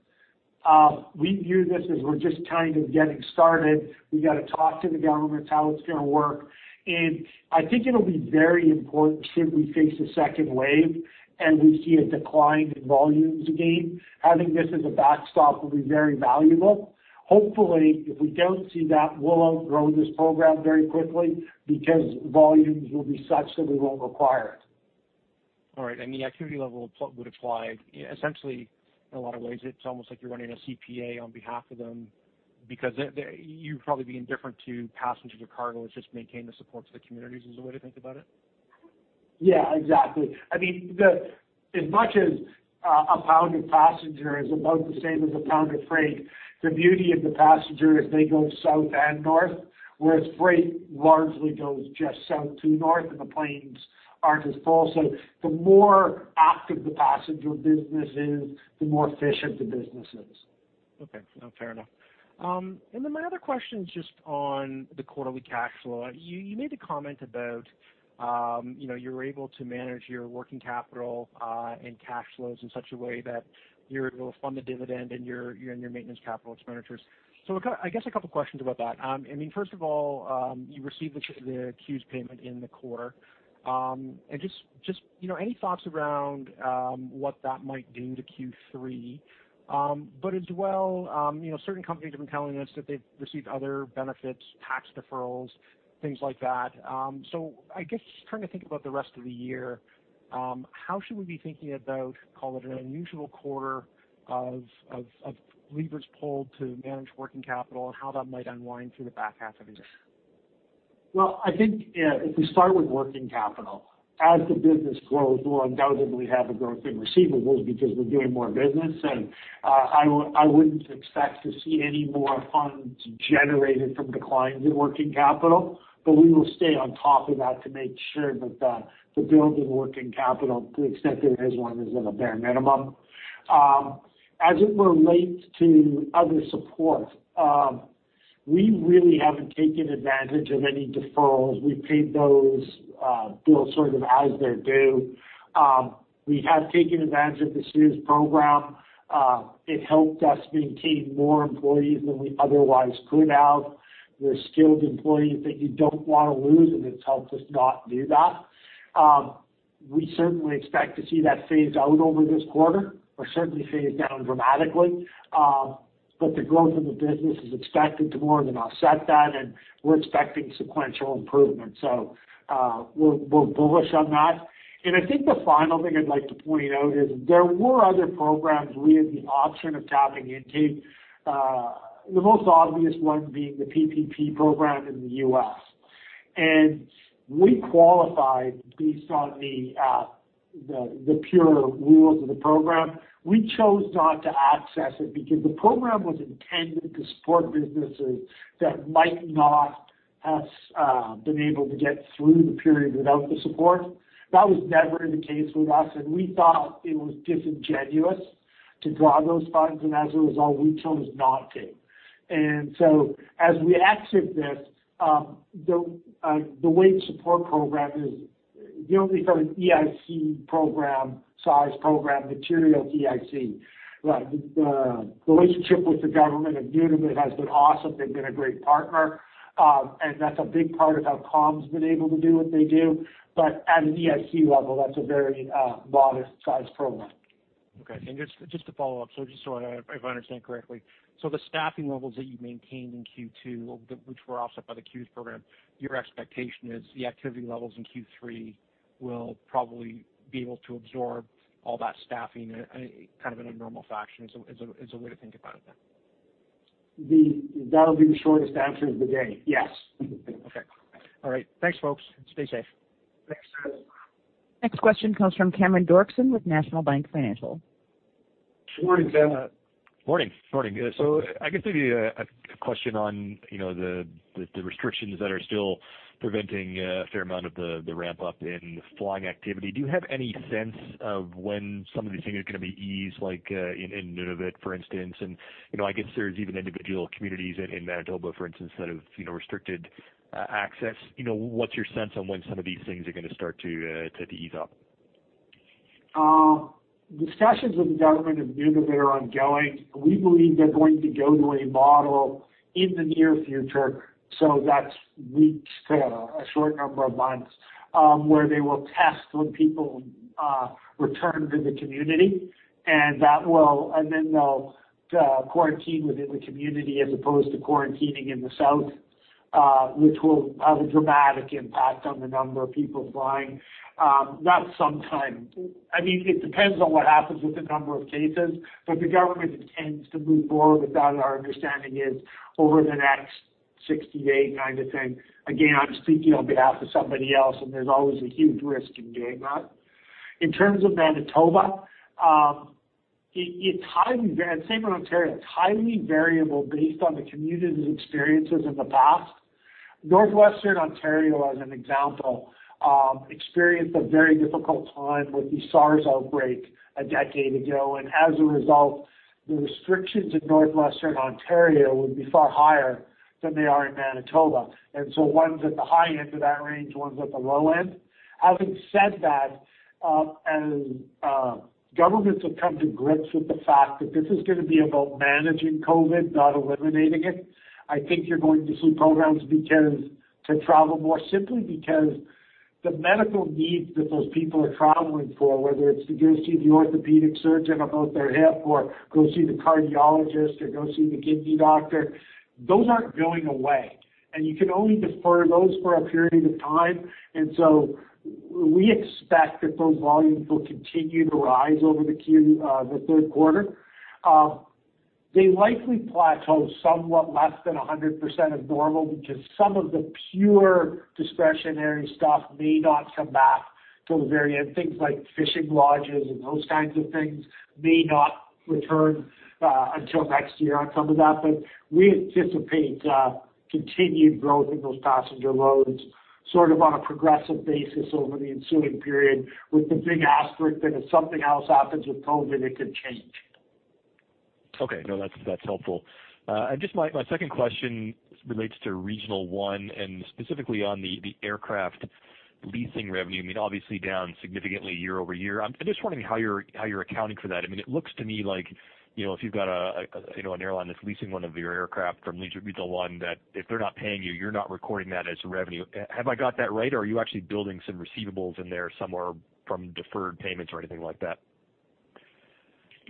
we view this as we're just kind of getting started. We got to talk to the governments, how it's going to work. I think it'll be very important should we face a second wave and we see a decline in volumes again. Having this as a backstop will be very valuable. Hopefully, if we don't see that, we'll outgrow this program very quickly because volumes will be such that we won't require it. All right. The activity level would apply essentially in a lot of ways, it's almost like you're running a CPA on behalf of them because you'd probably be indifferent to passengers or cargo. It's just maintain the support to the communities is the way to think about it? Yeah, exactly. As much as a pound of passenger is about the same as a pound of freight, the beauty of the passenger is they go south and north, whereas freight largely goes just south to north, and the planes aren't as full. The more active the passenger business is, the more efficient the business is. Fair enough. My other question is just on the quarterly cash flow. You made the comment about you were able to manage your working capital and cash flows in such a way that you're able to fund the dividend and your maintenance capital expenditures. I guess a couple questions about that. First of all, you received the CEWS payment in the quarter. Just any thoughts around what that might do to Q3? As well certain companies have been telling us that they've received other benefits, tax deferrals, things like that. I guess just trying to think about the rest of the year, how should we be thinking about, call it an unusual quarter of levers pulled to manage working capital and how that might unwind through the back half of the year? Well, I think if we start with working capital, as the business grows, we'll undoubtedly have a growth in receivables because we're doing more business. I wouldn't expect to see any more funds generated from declines in working capital, but we will stay on top of that to make sure that the build in working capital, to the extent there is one, is at a bare minimum. As it relates to other support, we really haven't taken advantage of any deferrals. We've paid those bills sort of as they're due. We have taken advantage of the CEWS program. It helped us maintain more employees than we otherwise could have. They're skilled employees that you don't want to lose, and it's helped us not do that. We certainly expect to see that phase out over this quarter, or certainly phase down dramatically. The growth in the business is expected to more than offset that, and we're expecting sequential improvement. We're bullish on that. I think the final thing I'd like to point out is there were other programs we had the option of tapping into, the most obvious one being the PPP program in the U.S. We qualified based on the pure rules of the program. We chose not to access it because the program was intended to support businesses that might not have been able to get through the period without the support. That was never the case with us, and we thought it was disingenuous to draw those funds, and as a result, we chose not to. As we exit this, the wage support program is the only sort of EIC program, size program, material EIC. The relationship with the Government of Nunavut has been awesome. They've been a great partner. That's a big part of how Calm Air's been able to do what they do. At an EIC level, that's a very modest size program. Okay. Just to follow up, so just so if I understand correctly. The staffing levels that you maintained in Q2, which were offset by the CEWS program, your expectation is the activity levels in Q3 will probably be able to absorb all that staffing in kind of in a normal fashion, is a way to think about it then? That'll be the shortest answer of the day. Yes. Okay. All right. Thanks, folks. Stay safe. Thanks, Chris. Next question comes from Cameron Doerksen with National Bank Financial. Morning, Cameron. Morning. I guess maybe a question on the restrictions that are still preventing a fair amount of the ramp-up in flying activity. Do you have any sense of when some of these things are going to be eased, like in Nunavut, for instance? I guess there's even individual communities in Manitoba, for instance, that have restricted access. What's your sense on when some of these things are going to start to ease up? Discussions with the Government of Nunavut are ongoing. We believe they're going to go to a model in the near future, so that's weeks to a short number of months, where they will test when people return to the community. Then they'll quarantine within the community as opposed to quarantining in the south, which will have a dramatic impact on the number of people flying. It depends on what happens with the number of cases, the government intends to move forward with that, our understanding is, over the next 60 days kind of thing. Again, I'm speaking on behalf of somebody else, there's always a huge risk in doing that. In terms of Manitoba, same with Ontario, it's highly variable based on the community's experiences in the past. Northwestern Ontario, as an example, experienced a very difficult time with the SARS outbreak a decade ago. As a result, the restrictions in Northwestern Ontario would be far higher than they are in Manitoba. So one's at the high end of that range, one's at the low end. Having said that, as governments have come to grips with the fact that this is going to be about managing COVID, not eliminating it, I think you're going to see programs to travel more simply because the medical needs that those people are traveling for, whether it's to go see the orthopedic surgeon about their hip or go see the cardiologist or go see the kidney doctor, those aren't going away. You can only defer those for a period of time. So we expect that those volumes will continue to rise over the third quarter. They likely plateau somewhat less than 100% of normal because some of the pure discretionary stuff may not come back till the very end. Things like fishing lodges and those kinds of things may not return until next year on some of that. We anticipate continued growth in those passenger loads sort of on a progressive basis over the ensuing period with the big asterisk that if something else happens with COVID, it could change. Okay. No, that's helpful. Just my second question relates to Regional One and specifically on the aircraft leasing revenue. I mean, obviously down significantly year-over-year. I'm just wondering how you're accounting for that. It looks to me like if you've got an airline that's leasing one of your aircraft from Regional One, that if they're not paying you're not recording that as revenue. Have I got that right, or are you actually building some receivables in there somewhere from deferred payments or anything like that?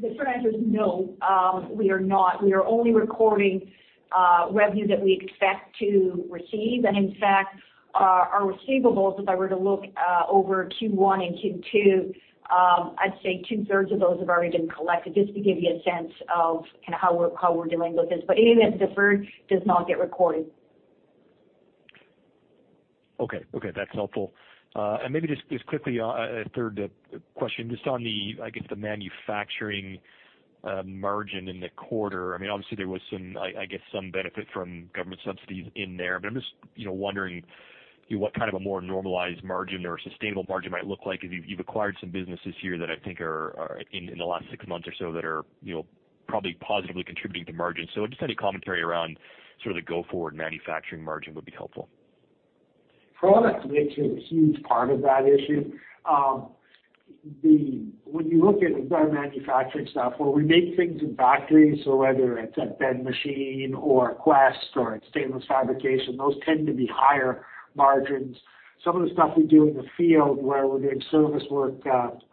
The short answer is no, we are not. We are only recording revenue that we expect to receive. In fact, our receivables, if I were to look over Q1 and Q2, I'd say 2/3 of those have already been collected, just to give you a sense of how we're dealing with this. Anything that's deferred does not get recorded. Okay. That's helpful. Maybe just quickly, a third question, just on the, I guess, the manufacturing margin in the quarter. Obviously there was, I guess, some benefit from government subsidies in there. I'm just wondering what kind of a more normalized margin or sustainable margin might look like as you've acquired some business this year that I think are, in the last six months or so, that are probably positively contributing to margin. Just any commentary around sort of the go-forward manufacturing margin would be helpful. Product mix is a huge part of that issue. When you look at our manufacturing stuff, where we make things in factories, whether it's at Ben Machine or Quest or at Stainless Fabrication, those tend to be higher margins. Some of the stuff we do in the field where we're doing service work,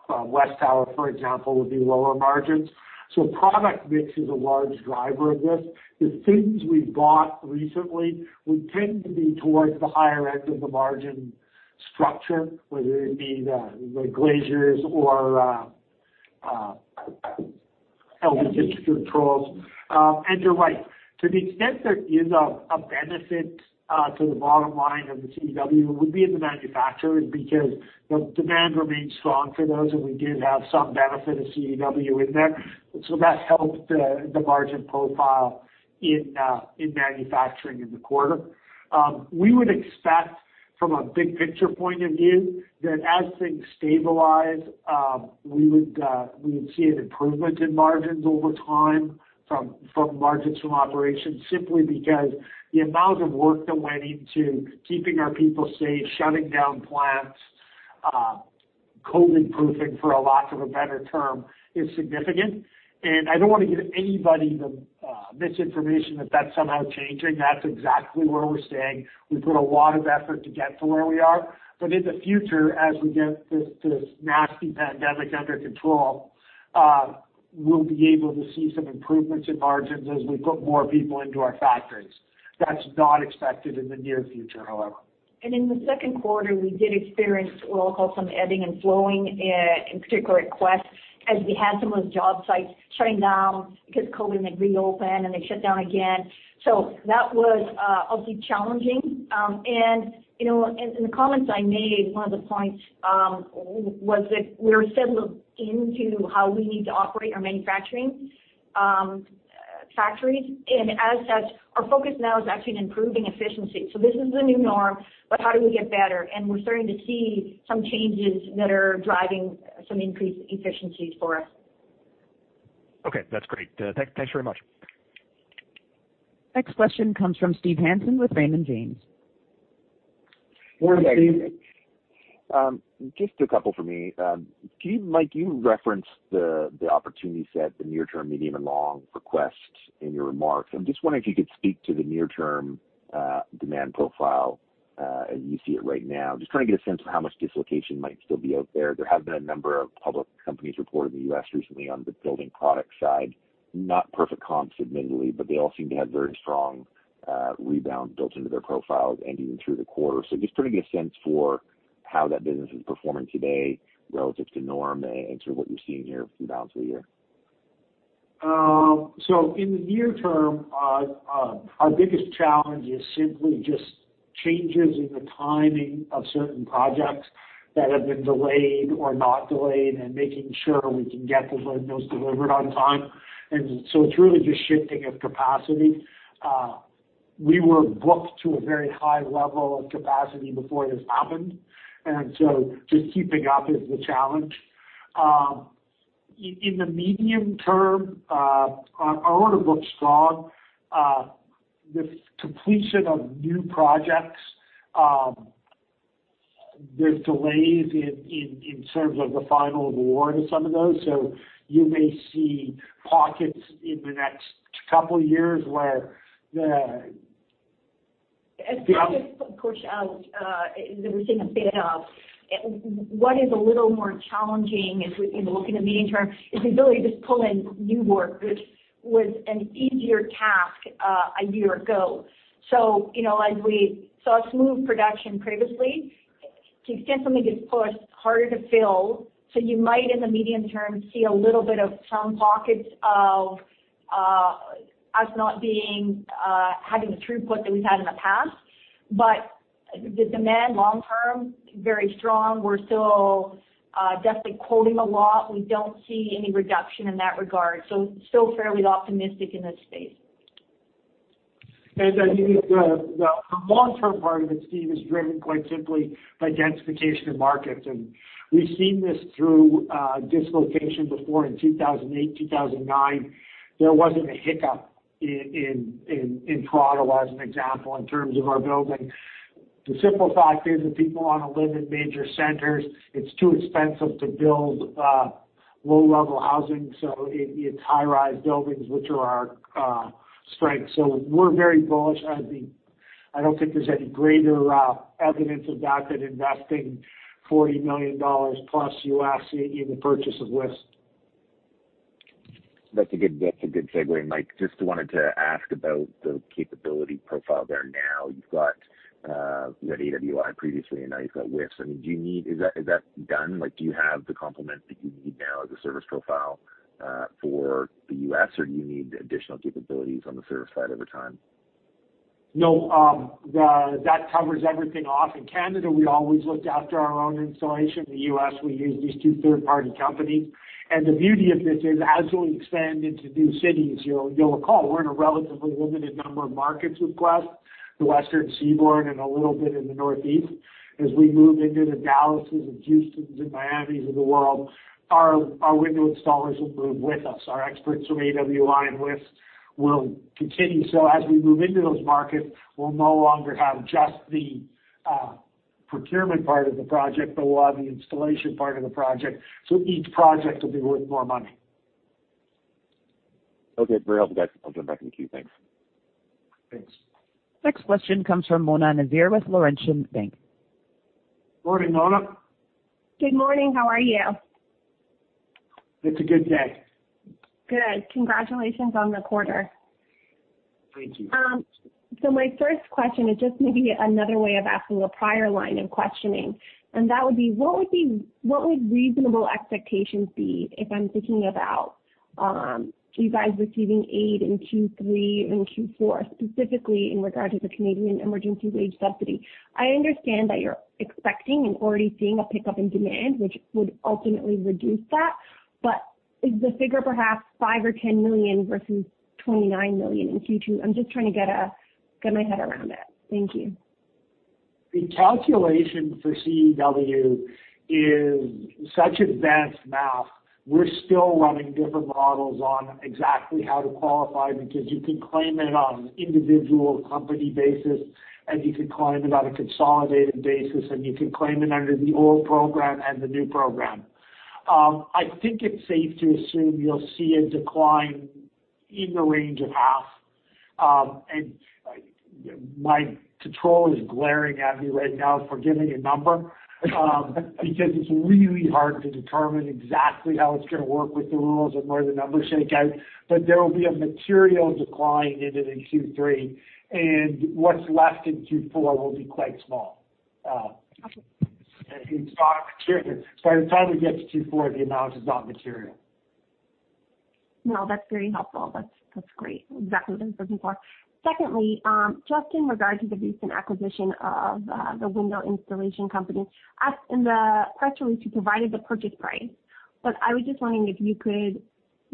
WesTower, for example, would be lower margins. Product mix is a large driver of this. The things we've bought recently would tend to be towards the higher end of the margin structure, whether it be the glaziers or electrical distribution controls. You're right. To the extent there is a benefit to the bottom line of the CEWS would be in the manufacturing, because the demand remains strong for those, and we did have some benefit of CEWS in there. That helped the margin profile in manufacturing in the quarter. We would expect, from a big picture point of view, that as things stabilize, we would see an improvement in margins over time from margins from operations simply because the amount of work that went into keeping our people safe, shutting down plants, COVID-proofing, for a lack of a better term, is significant. I don't want to give anybody the misinformation that that's somehow changing. That's exactly where we're staying. We put a lot of effort to get to where we are. In the future, as we get this nasty pandemic under control, we'll be able to see some improvements in margins as we put more people into our factories. That's not expected in the near future, however. In the second quarter, we did experience what I'll call some ebbing and flowing, in particular at Quest, as we had some of those job sites shutting down because of COVID, and they'd reopen, and they'd shut down again. That was obviously challenging. In the comments I made, one of the points was that we're settled into how we need to operate our manufacturing factories. As such, our focus now is actually on improving efficiency. This is the new norm, but how do we get better? We're starting to see some changes that are driving some increased efficiencies for us. Okay. That's great. Thanks very much. Next question comes from Steve Hansen with Raymond James. Morning, Steve. Just a couple from me. Mike, you referenced the opportunity set, the near term, medium, and long for Quest in your remarks. I'm just wondering if you could speak to the near-term demand profile as you see it right now. Just trying to get a sense of how much dislocation might still be out there. There have been a number of public companies report in the U.S. recently on the building product side, not perfect comps, admittedly, but they all seem to have very strong rebound built into their profiles and even through the quarter. Just trying to get a sense for how that business is performing today relative to norm and sort of what you're seeing here through the balance of the year. In the near term, our biggest challenge is simply just changes in the timing of certain projects that have been delayed or not delayed and making sure we can get those delivered on time. It's really just shifting of capacity. We were booked to a very high level of capacity before this happened, and so just keeping up is the challenge. In the medium term, our order book's strong. The completion of new projects, there's delays in terms of the final award of some of those. You may see pockets in the next couple years. As projects push out, they're seeing a bit of what is a little more challenging as we look into medium term is the ability to pull in new work, which was an easier task a year ago. As we saw smooth production previously, to the extent something gets pushed, it's harder to fill. You might, in the medium term, see a little bit of some pockets of us not having the throughput that we've had in the past. The demand long term, very strong. We're still definitely quoting a lot. We don't see any reduction in that regard. Still fairly optimistic in this space. I think the long-term part of it, Steve, is driven quite simply by densification of markets. We've seen this through dislocation before in 2008, 2009. There wasn't a hiccup in Toronto, as an example, in terms of our building. The simple fact is that people want to live in major centers. It's too expensive to build low-level housing, so it's high-rise buildings, which are our strength. We're very bullish. I don't think there's any greater evidence of that than investing $40 million+ U.S. in the purchase of WIS. That's a good segue, Mike. Just wanted to ask about the capability profile there now. You've got AWI previously, and now you've got WIS. Is that done? Do you have the complement that you need now as a service profile for the U.S., or do you need additional capabilities on the service side over time? No, that covers everything off. In Canada, we always looked after our own installation. In the U.S., we use these two third-party companies. The beauty of this is, as we expand into new cities, you'll recall we're in a relatively limited number of markets with Quest, the Western Seaboard and a little bit in the Northeast. As we move into the Dallas' and Houstons and Miamis of the world, our window installers will move with us. Our experts from AWI and WIS will continue. As we move into those markets, we'll no longer have just the procurement part of the project, but we'll have the installation part of the project, so each project will be worth more money. Okay, very helpful, guys. I'll jump back in the queue. Thanks. Thanks. Next question comes from Mona Nazir with Laurentian Bank. Morning, Mona. Good morning. How are you? It's a good day. Good. Congratulations on the quarter. Thank you. My first question is just maybe another way of asking the prior line of questioning, and that would be, what would reasonable expectations be if I'm thinking about you guys receiving aid in Q3 and Q4, specifically in regard to the Canada Emergency Wage Subsidy? I understand that you're expecting and already seeing a pickup in demand, which would ultimately reduce that. Is the figure perhaps 5 million or 10 million versus 29 million in Q2? I'm just trying to get my head around that. Thank you. The calculation for CEWS is such advanced math. We're still running different models on exactly how to qualify, because you could claim it on an individual company basis, and you could claim it on a consolidated basis, and you can claim it under the old program and the new program. I think it's safe to assume you'll see a decline in the range of half. My controller is glaring at me right now for giving a number, because it's really hard to determine exactly how it's going to work with the rules and where the numbers shake out. There will be a material decline into the Q3, and what's left in Q4 will be quite small. Okay. By the time it gets to Q4, the amount is not material. No, that's very helpful. That's great. Exactly what I was looking for. Secondly, just in regard to the recent acquisition of the window installation company. In the press release, you provided the purchase price, but I was just wondering if you could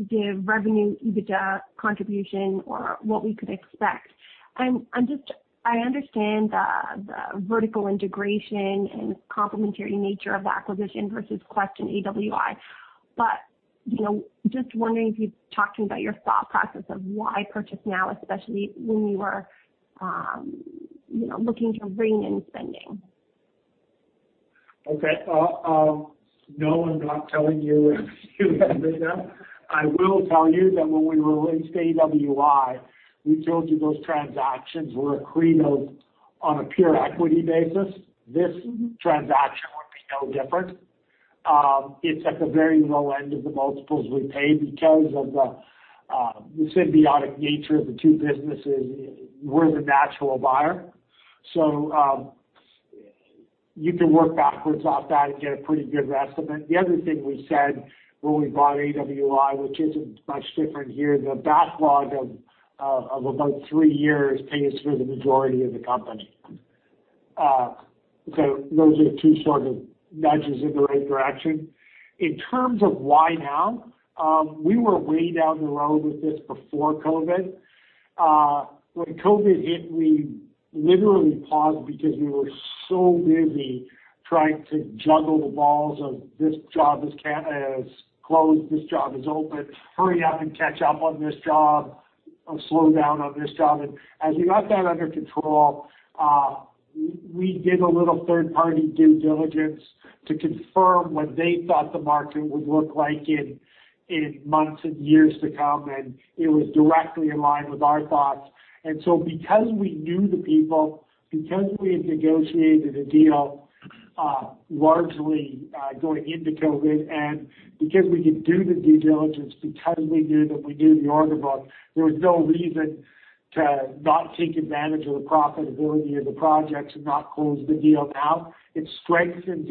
give revenue, EBITDA contribution, or what we could expect. I understand the vertical integration and complementary nature of the acquisition versus Quest and AWI, but just wondering if you'd talk to me about your thought process of why purchase now, especially when you are looking to rein in spending. Okay. No, I'm not telling you EBITDA. I will tell you that when we released AWI, we told you those transactions were accretive on a pure equity basis. This transaction would be no different. It's at the very low end of the multiples we pay because of the symbiotic nature of the two businesses. We're the natural buyer. You can work backwards off that and get a pretty good estimate. The other thing we said when we bought AWI, which isn't much different here, the backlog of about three years pay us for the majority of the company. Those are two nudges in the right direction. In terms of why now, we were way down the road with this before COVID. When COVID hit, we literally paused because we were so busy trying to juggle the balls of this job is closed, this job is open, hurry up and catch up on this job, or slow down on this job. As we got that under control, we did a little third-party due diligence to confirm what they thought the market would look like in months and years to come, and it was directly in line with our thoughts. Because we knew the people, because we had negotiated a deal largely going into COVID, and because we could do the due diligence because we knew that we knew the owner book, there was no reason to not take advantage of the profitability of the projects and not close the deal now. It strengthens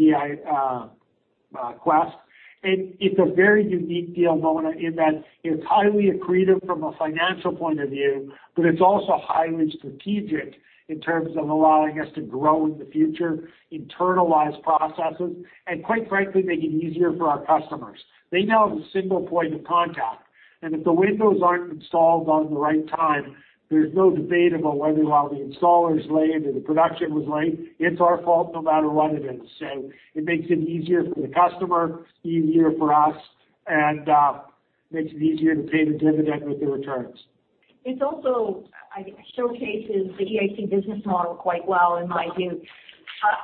Quest. It's a very unique deal, Mona, in that it's highly accretive from a financial point of view, but it's also highly strategic in terms of allowing us to grow in the future, internalize processes, and quite frankly, make it easier for our customers. They now have a single point of contact. If the windows aren't installed on the right time, there's no debate about whether or not the installer's late or the production was late. It's our fault no matter what it is. It makes it easier for the customer, easier for us, and makes it easier to pay the dividend with the returns. It also showcases the EIC business model quite well, in my view.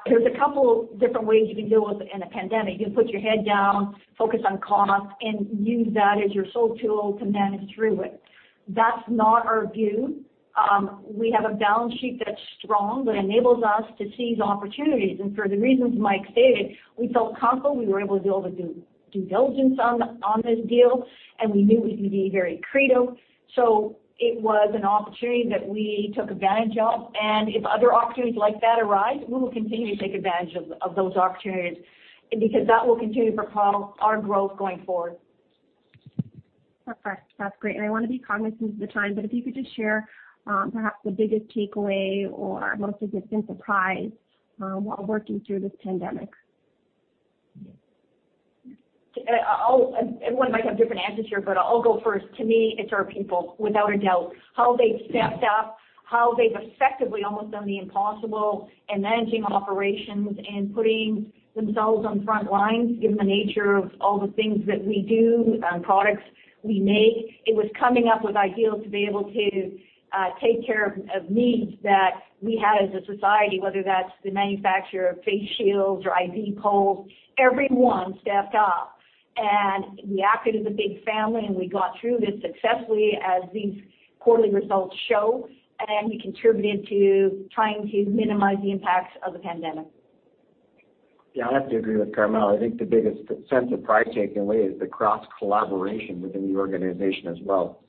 There's a couple different ways you can deal with it in a pandemic. You can put your head down, focus on cost, and use that as your sole tool to manage through it. That's not our view. We have a balance sheet that's strong, that enables us to seize opportunities. For the reasons Mike stated, we felt confident we were able to do due diligence on this deal, and we knew it would be very accretive. It was an opportunity that we took advantage of. If other opportunities like that arise, we will continue to take advantage of those opportunities, because that will continue to propel our growth going forward. That's great. I want to be cognizant of the time, but if you could just share perhaps the biggest takeaway or most significant surprise while working through this pandemic. Everyone might have different answers here, but I'll go first. To me, it's our people, without a doubt. How they've stepped up, how they've effectively almost done the impossible in managing operations and putting themselves on front lines, given the nature of all the things that we do and products we make. It was coming up with ideas to be able to take care of needs that we had as a society, whether that's the manufacture of face shields or IV poles. Everyone stepped up. We acted as a big family, and we got through this successfully, as these quarterly results show, and we contributed to trying to minimize the impacts of the pandemic. Yeah, I have to agree with Carmele. I think the biggest sense of pride takeaway is the cross-collaboration within the organization as well,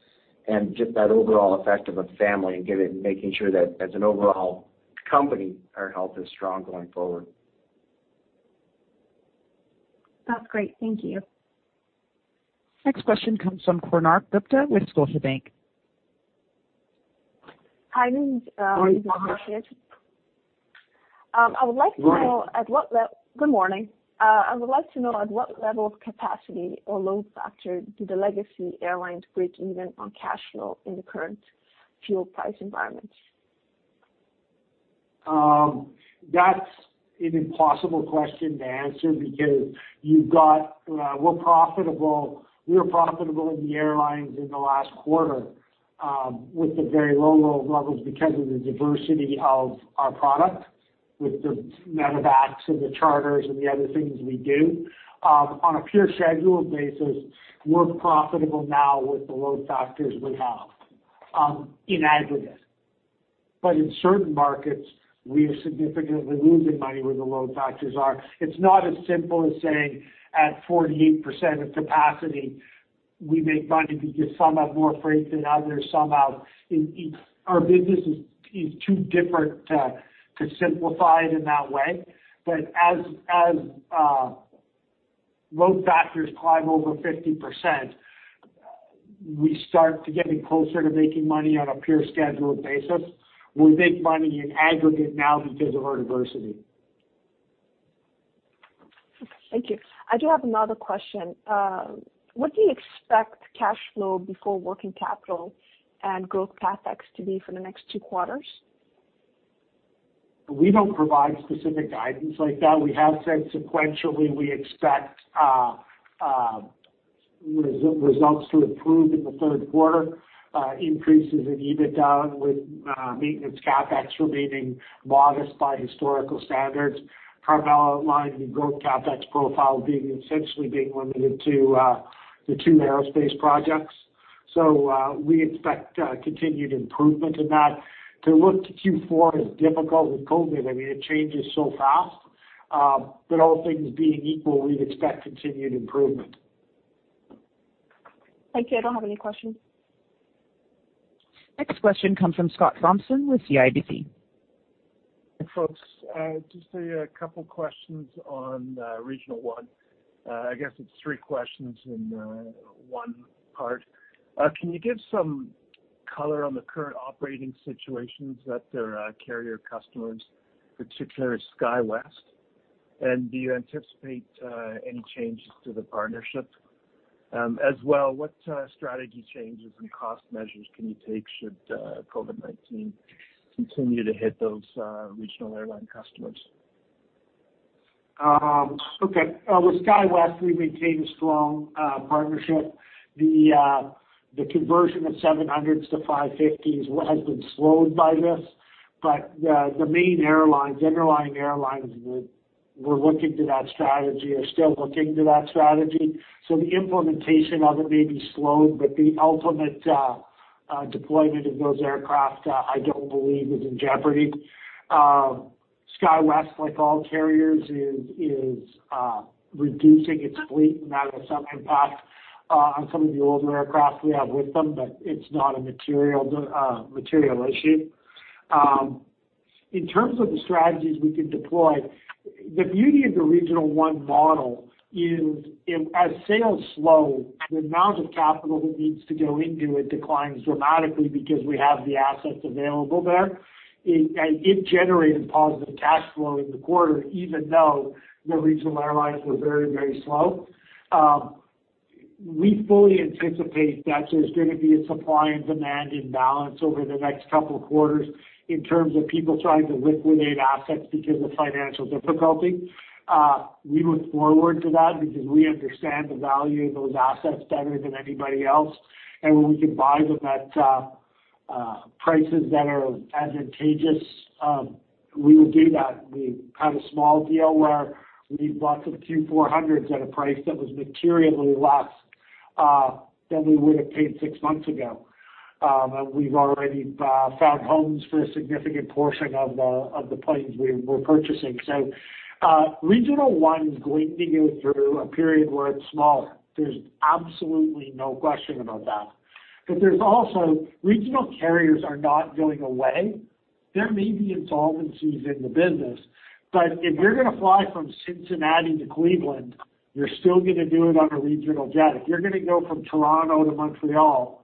and just that overall effect of a family and making sure that as an overall company, our health is strong going forward. That's great. Thank you. Next question comes from Konark Gupta with Scotiabank. Hi, this is Konark Gupta. Hi. Good morning. I would like to know at what level of capacity or load factor do the Legacy Airlines break even on cash flow in the current fuel price environment? That's an impossible question to answer because we were profitable in the airlines in the last quarter with the very low load levels because of the diversity of our product, with the medevacs and the charters and the other things we do. On a pure schedule basis, we're profitable now with the load factors we have in aggregate. In certain markets, we are significantly losing money where the load factors are. It's not as simple as saying at 48% of capacity, we make money because some have more freight than others. Our business is too different to simplify it in that way. As load factors climb over 50%, we start to getting closer to making money on a pure schedule basis. We make money in aggregate now because of our diversity. Okay, thank you. I do have another question. What do you expect cash flow before working capital and growth CapEx to be for the next two quarters? We don't provide specific guidance like that. We have said sequentially we expect results to improve in the third quarter, increases in EBITDA with maintenance CapEx remaining modest by historical standards. Carmele outlined the growth CapEx profile being essentially limited to the two aerospace projects. We expect continued improvement in that. To look to Q4 is difficult with COVID. It changes so fast. All things being equal, we'd expect continued improvement. Thank you. I don't have any questions. Next question comes from Scott Thompson with CIBC. Hi, folks. Just a couple questions on Regional One. I guess it's three questions in one part. Can you give some color on the current operating situations at their carrier customers, particularly SkyWest? Do you anticipate any changes to the partnership? As well, what strategy changes and cost measures can you take should COVID-19 continue to hit those regional airline customers? Okay. With SkyWest, we maintain a strong partnership. The conversion of 700 to 550 has been slowed by this. The main airlines, underlying airlines, we're looking to that strategy, are still looking to that strategy. The implementation of it may be slowed, but the ultimate deployment of those aircraft, I don't believe is in jeopardy. SkyWest, like all carriers, is reducing its fleet, and that has some impact on some of the older aircraft we have with them, but it's not a material issue. In terms of the strategies we could deploy, the beauty of the Regional One model is as sales slow, the amount of capital that needs to go into it declines dramatically because we have the assets available there. It generated positive cash flow in the quarter, even though the regional airlines were very slow. We fully anticipate that there's going to be a supply and demand imbalance over the next couple of quarters in terms of people trying to liquidate assets because of financial difficulty. We look forward to that because we understand the value of those assets better than anybody else. When we can buy them at prices that are advantageous, we will do that. We had a small deal where we bought some Q400s at a price that was materially less than we would have paid six months ago. We've already found homes for a significant portion of the planes we're purchasing. Regional One is going to go through a period where it's small. There's absolutely no question about that. There's also regional carriers are not going away. There may be insolvencies in the business, if you're going to fly from Cincinnati to Cleveland, you're still going to do it on a regional jet. If you're going to go from Toronto to Montreal,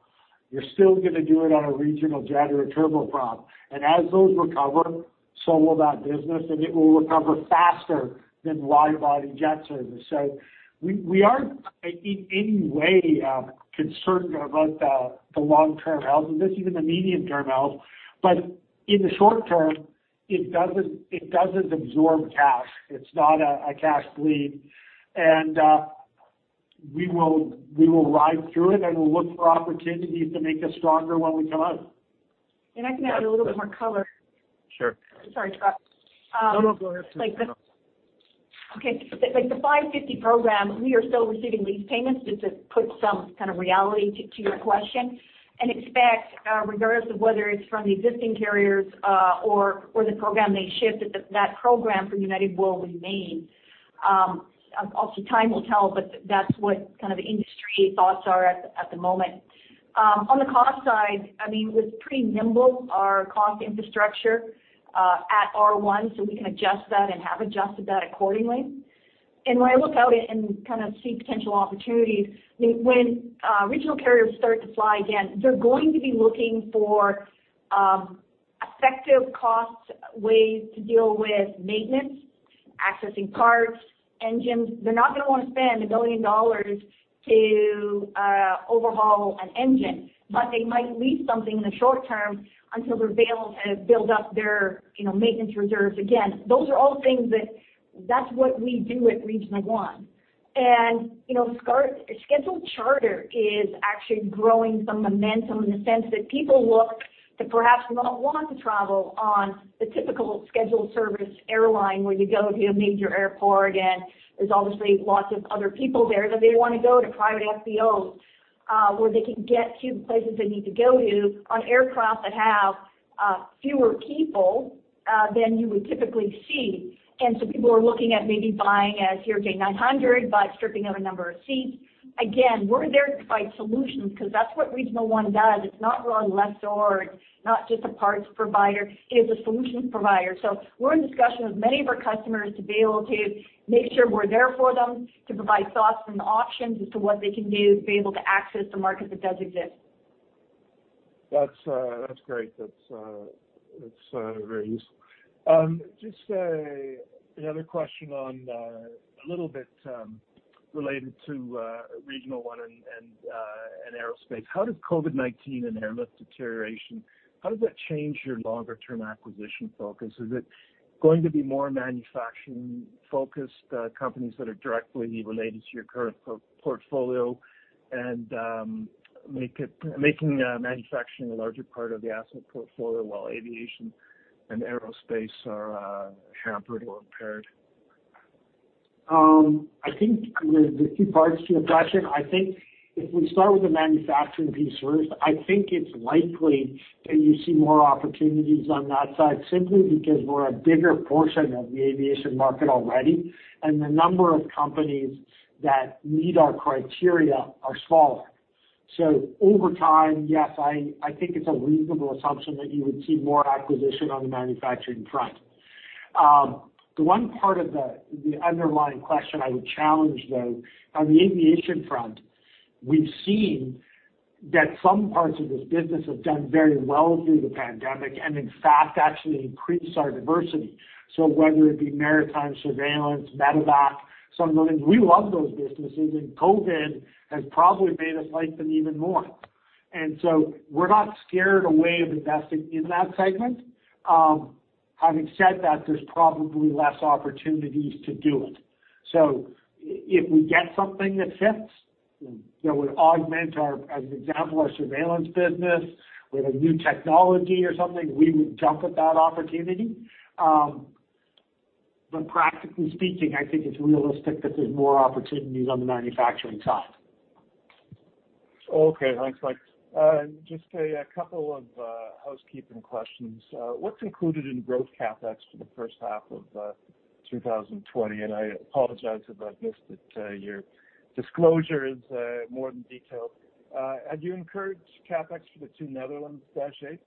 you're still going to do it on a regional jet or a turboprop. As those recover, so will that business, and it will recover faster than wide-body jet service. We aren't in any way concerned about the long-term health of this, even the medium-term health, but in the short term, it doesn't absorb cash. It's not a cash bleed. We will ride through it, and we'll look for opportunities to make us stronger when we come out. I can add a little more color. Sure. Sorry, Scott. No, go ahead. Okay. Like the 550 program, we are still receiving lease payments, just to put some kind of reality to your question. Expect, regardless of whether it's from the existing carriers or the program they shift, that program from United will remain. Also, time will tell, but that's what kind of industry thoughts are at the moment. On the cost side, it was pretty nimble, our cost infrastructure at R1, so we can adjust that and have adjusted that accordingly. When I look out and see potential opportunities, when regional carriers start to fly again, they're going to be looking for effective cost ways to deal with maintenance, accessing parts, engines. They're not going to want to spend $1 billion to overhaul an engine. They might lease something in the short term until they're able to build up their maintenance reserves again. Those are all things that's what we do at Regional One. Scheduled charter is actually growing some momentum in the sense that people look to perhaps not want to travel on the typical scheduled service airline where you go to a major airport and there's obviously lots of other people there, that they want to go to private FBOs where they can get to the places they need to go to on aircraft that have fewer people than you would typically see. So people are looking at maybe buying a CRJ900, but stripping out a number of seats. Again, we're there to provide solutions because that's what Regional One does. It's not raw and lessor, not just a parts provider. It is a solutions provider. We're in discussion with many of our customers to be able to make sure we're there for them to provide thoughts and options as to what they can do to be able to access the market that does exist. That's great. That's very useful. Just the other question on a little bit related to Regional One and aerospace. How does COVID-19 and airlift deterioration change your longer-term acquisition focus? Is it going to be more manufacturing-focused companies that are directly related to your current portfolio and making manufacturing a larger part of the asset portfolio while aviation and aerospace are hampered or impaired? I think there's a few parts to your question. I think if we start with the manufacturing piece first, I think it's likely that you see more opportunities on that side simply because we're a bigger portion of the aviation market already, and the number of companies that meet our criteria are smaller. Over time, yes, I think it's a reasonable assumption that you would see more acquisition on the manufacturing front. The one part of the underlying question I would challenge, though, on the aviation front, we've seen that some parts of this business have done very well through the pandemic and, in fact, actually increased our diversity. Whether it be maritime surveillance, medevac, some of those, we love those businesses, and COVID has probably made us like them even more. We're not scared away of investing in that segment. Having said that, there's probably less opportunities to do it. If we get something that fits that would augment our, as an example, our surveillance business with a new technology or something, we would jump at that opportunity. Practically speaking, I think it's realistic that there's more opportunities on the manufacturing side. Okay, thanks, Mike. Just a couple of housekeeping questions. What is included in growth CapEx for the first half of 2020? I apologize if I have missed it. Your disclosure is more than detailed. Had you incurred CapEx for the two Netherlands Dash 8? Is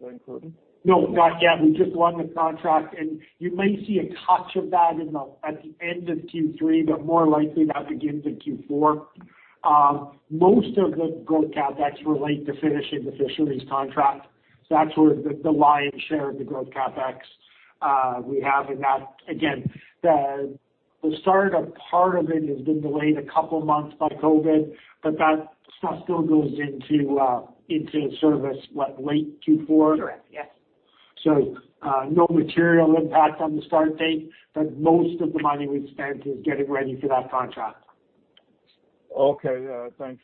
that included? No, not yet. We just won the contract. You may see a touch of that at the end of Q3, more likely that begins in Q4. Most of the growth CapEx relate to finishing the fisheries contract. That's where the lion's share of the growth CapEx we have in that. Again, the start of part of it has been delayed a couple of months by COVID, that stuff still goes into service what, late Q4? Correct. Yes. No material impact on the start date, but most of the money we've spent is getting ready for that contract. Okay, thanks.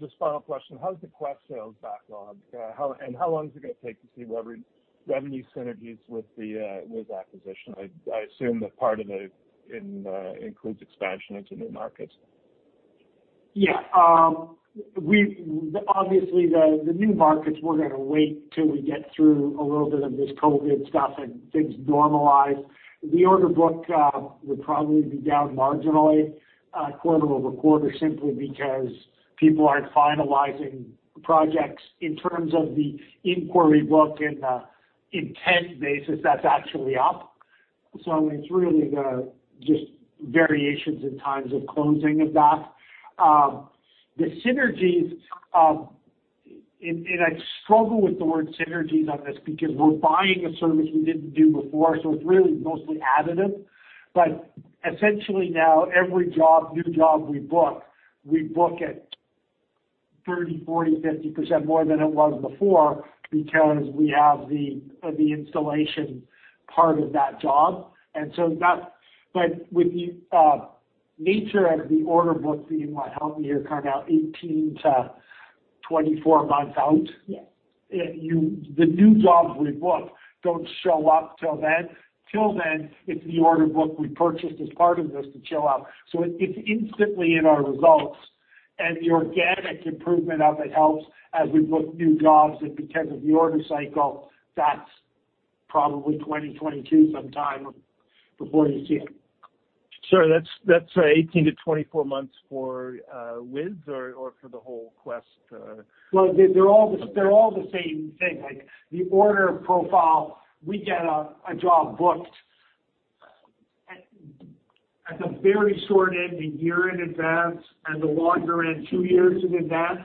Just final question, how's the Quest sales backlog? How long is it going to take to see revenue synergies with acquisition? I assume that part of it includes expansion into new markets. Yeah. Obviously, the new markets, we're going to wait till we get through a little bit of this COVID stuff and things normalize. The order book will probably be down marginally quarter-over-quarter simply because people aren't finalizing projects in terms of the inquiry book and the intent basis, that's actually up. It's really just variations in times of closing of that. The synergies, and I struggle with the word synergies on this because we're buying a service we didn't do before, so it's really mostly additive, but essentially now every new job we book, we book at 30%, 40%, 50% more than it was before because we have the installation part of that job. With the nature of the order book, Carmele, help me here, 18-24 months out? Yes. The new jobs we book don't show up till then. Till then, it's the order book we purchased as part of this to show up. It's instantly in our results, and the organic improvement of it helps as we book new jobs. Because of the order cycle, that's probably 2022 sometime before you see it. Sorry, that's 18-24 months for WIS or for the whole Quest? They're all the same thing. The order profile, we get a job booked at the very short end a year in advance, and the longer end two years in advance.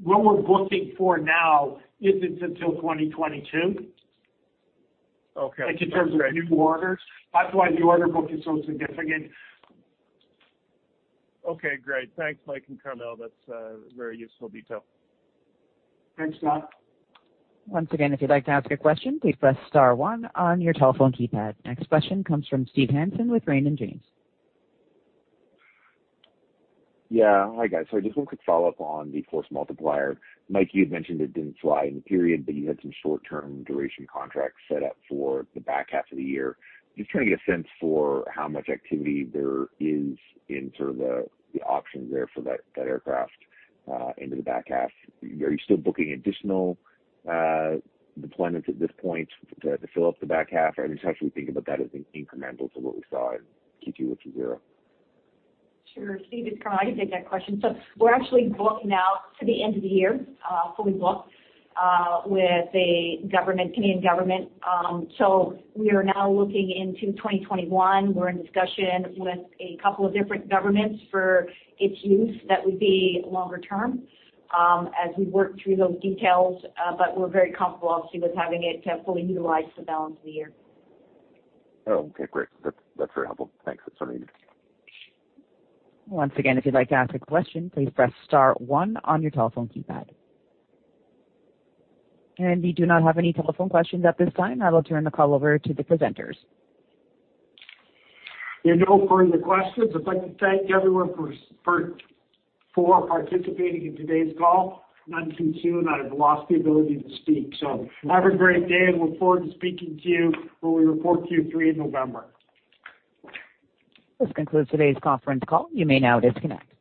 What we're booking for now isn't until 2022. Okay. In terms of new orders. That's why the order book is so significant. Okay, great. Thanks, Mike and Carmele. That's a very useful detail. Thanks, Scott. Once again, if you'd like to ask a question, please press star one on your telephone keypad. Next question comes from Steve Hansen with Raymond James. Yeah. Hi, guys. I just want a quick follow-up on the Force Multiplier. Mike, you had mentioned it didn't fly in the period, but you had some short-term duration contracts set up for the back half of the year. Just trying to get a sense for how much activity there is in sort of the options there for that aircraft into the back half. Are you still booking additional deployments at this point to fill up the back half? Just how should we think about that as incremental to what we saw in Q2 to 0? Sure. Steve, it's Carmele. I can take that question. We're actually booked now to the end of the year, fully booked, with the Canadian government. We are now looking into 2021. We're in discussion with a couple of different governments for its use that would be longer term as we work through those details. We're very comfortable obviously with having it fully utilized for the balance of the year. Oh, okay. Great. That's very helpful. Thanks. That's all I need. Once again, if you'd like to ask a question, please press star one on your telephone keypad. We do not have any telephone questions at this time. I will turn the call over to the presenters. There are no further questions. I'd like to thank everyone for participating in today's call. None too soon, I've lost the ability to speak. Have a great day, and look forward to speaking to you when we report Q3 in November. This concludes today's conference call. You may now disconnect.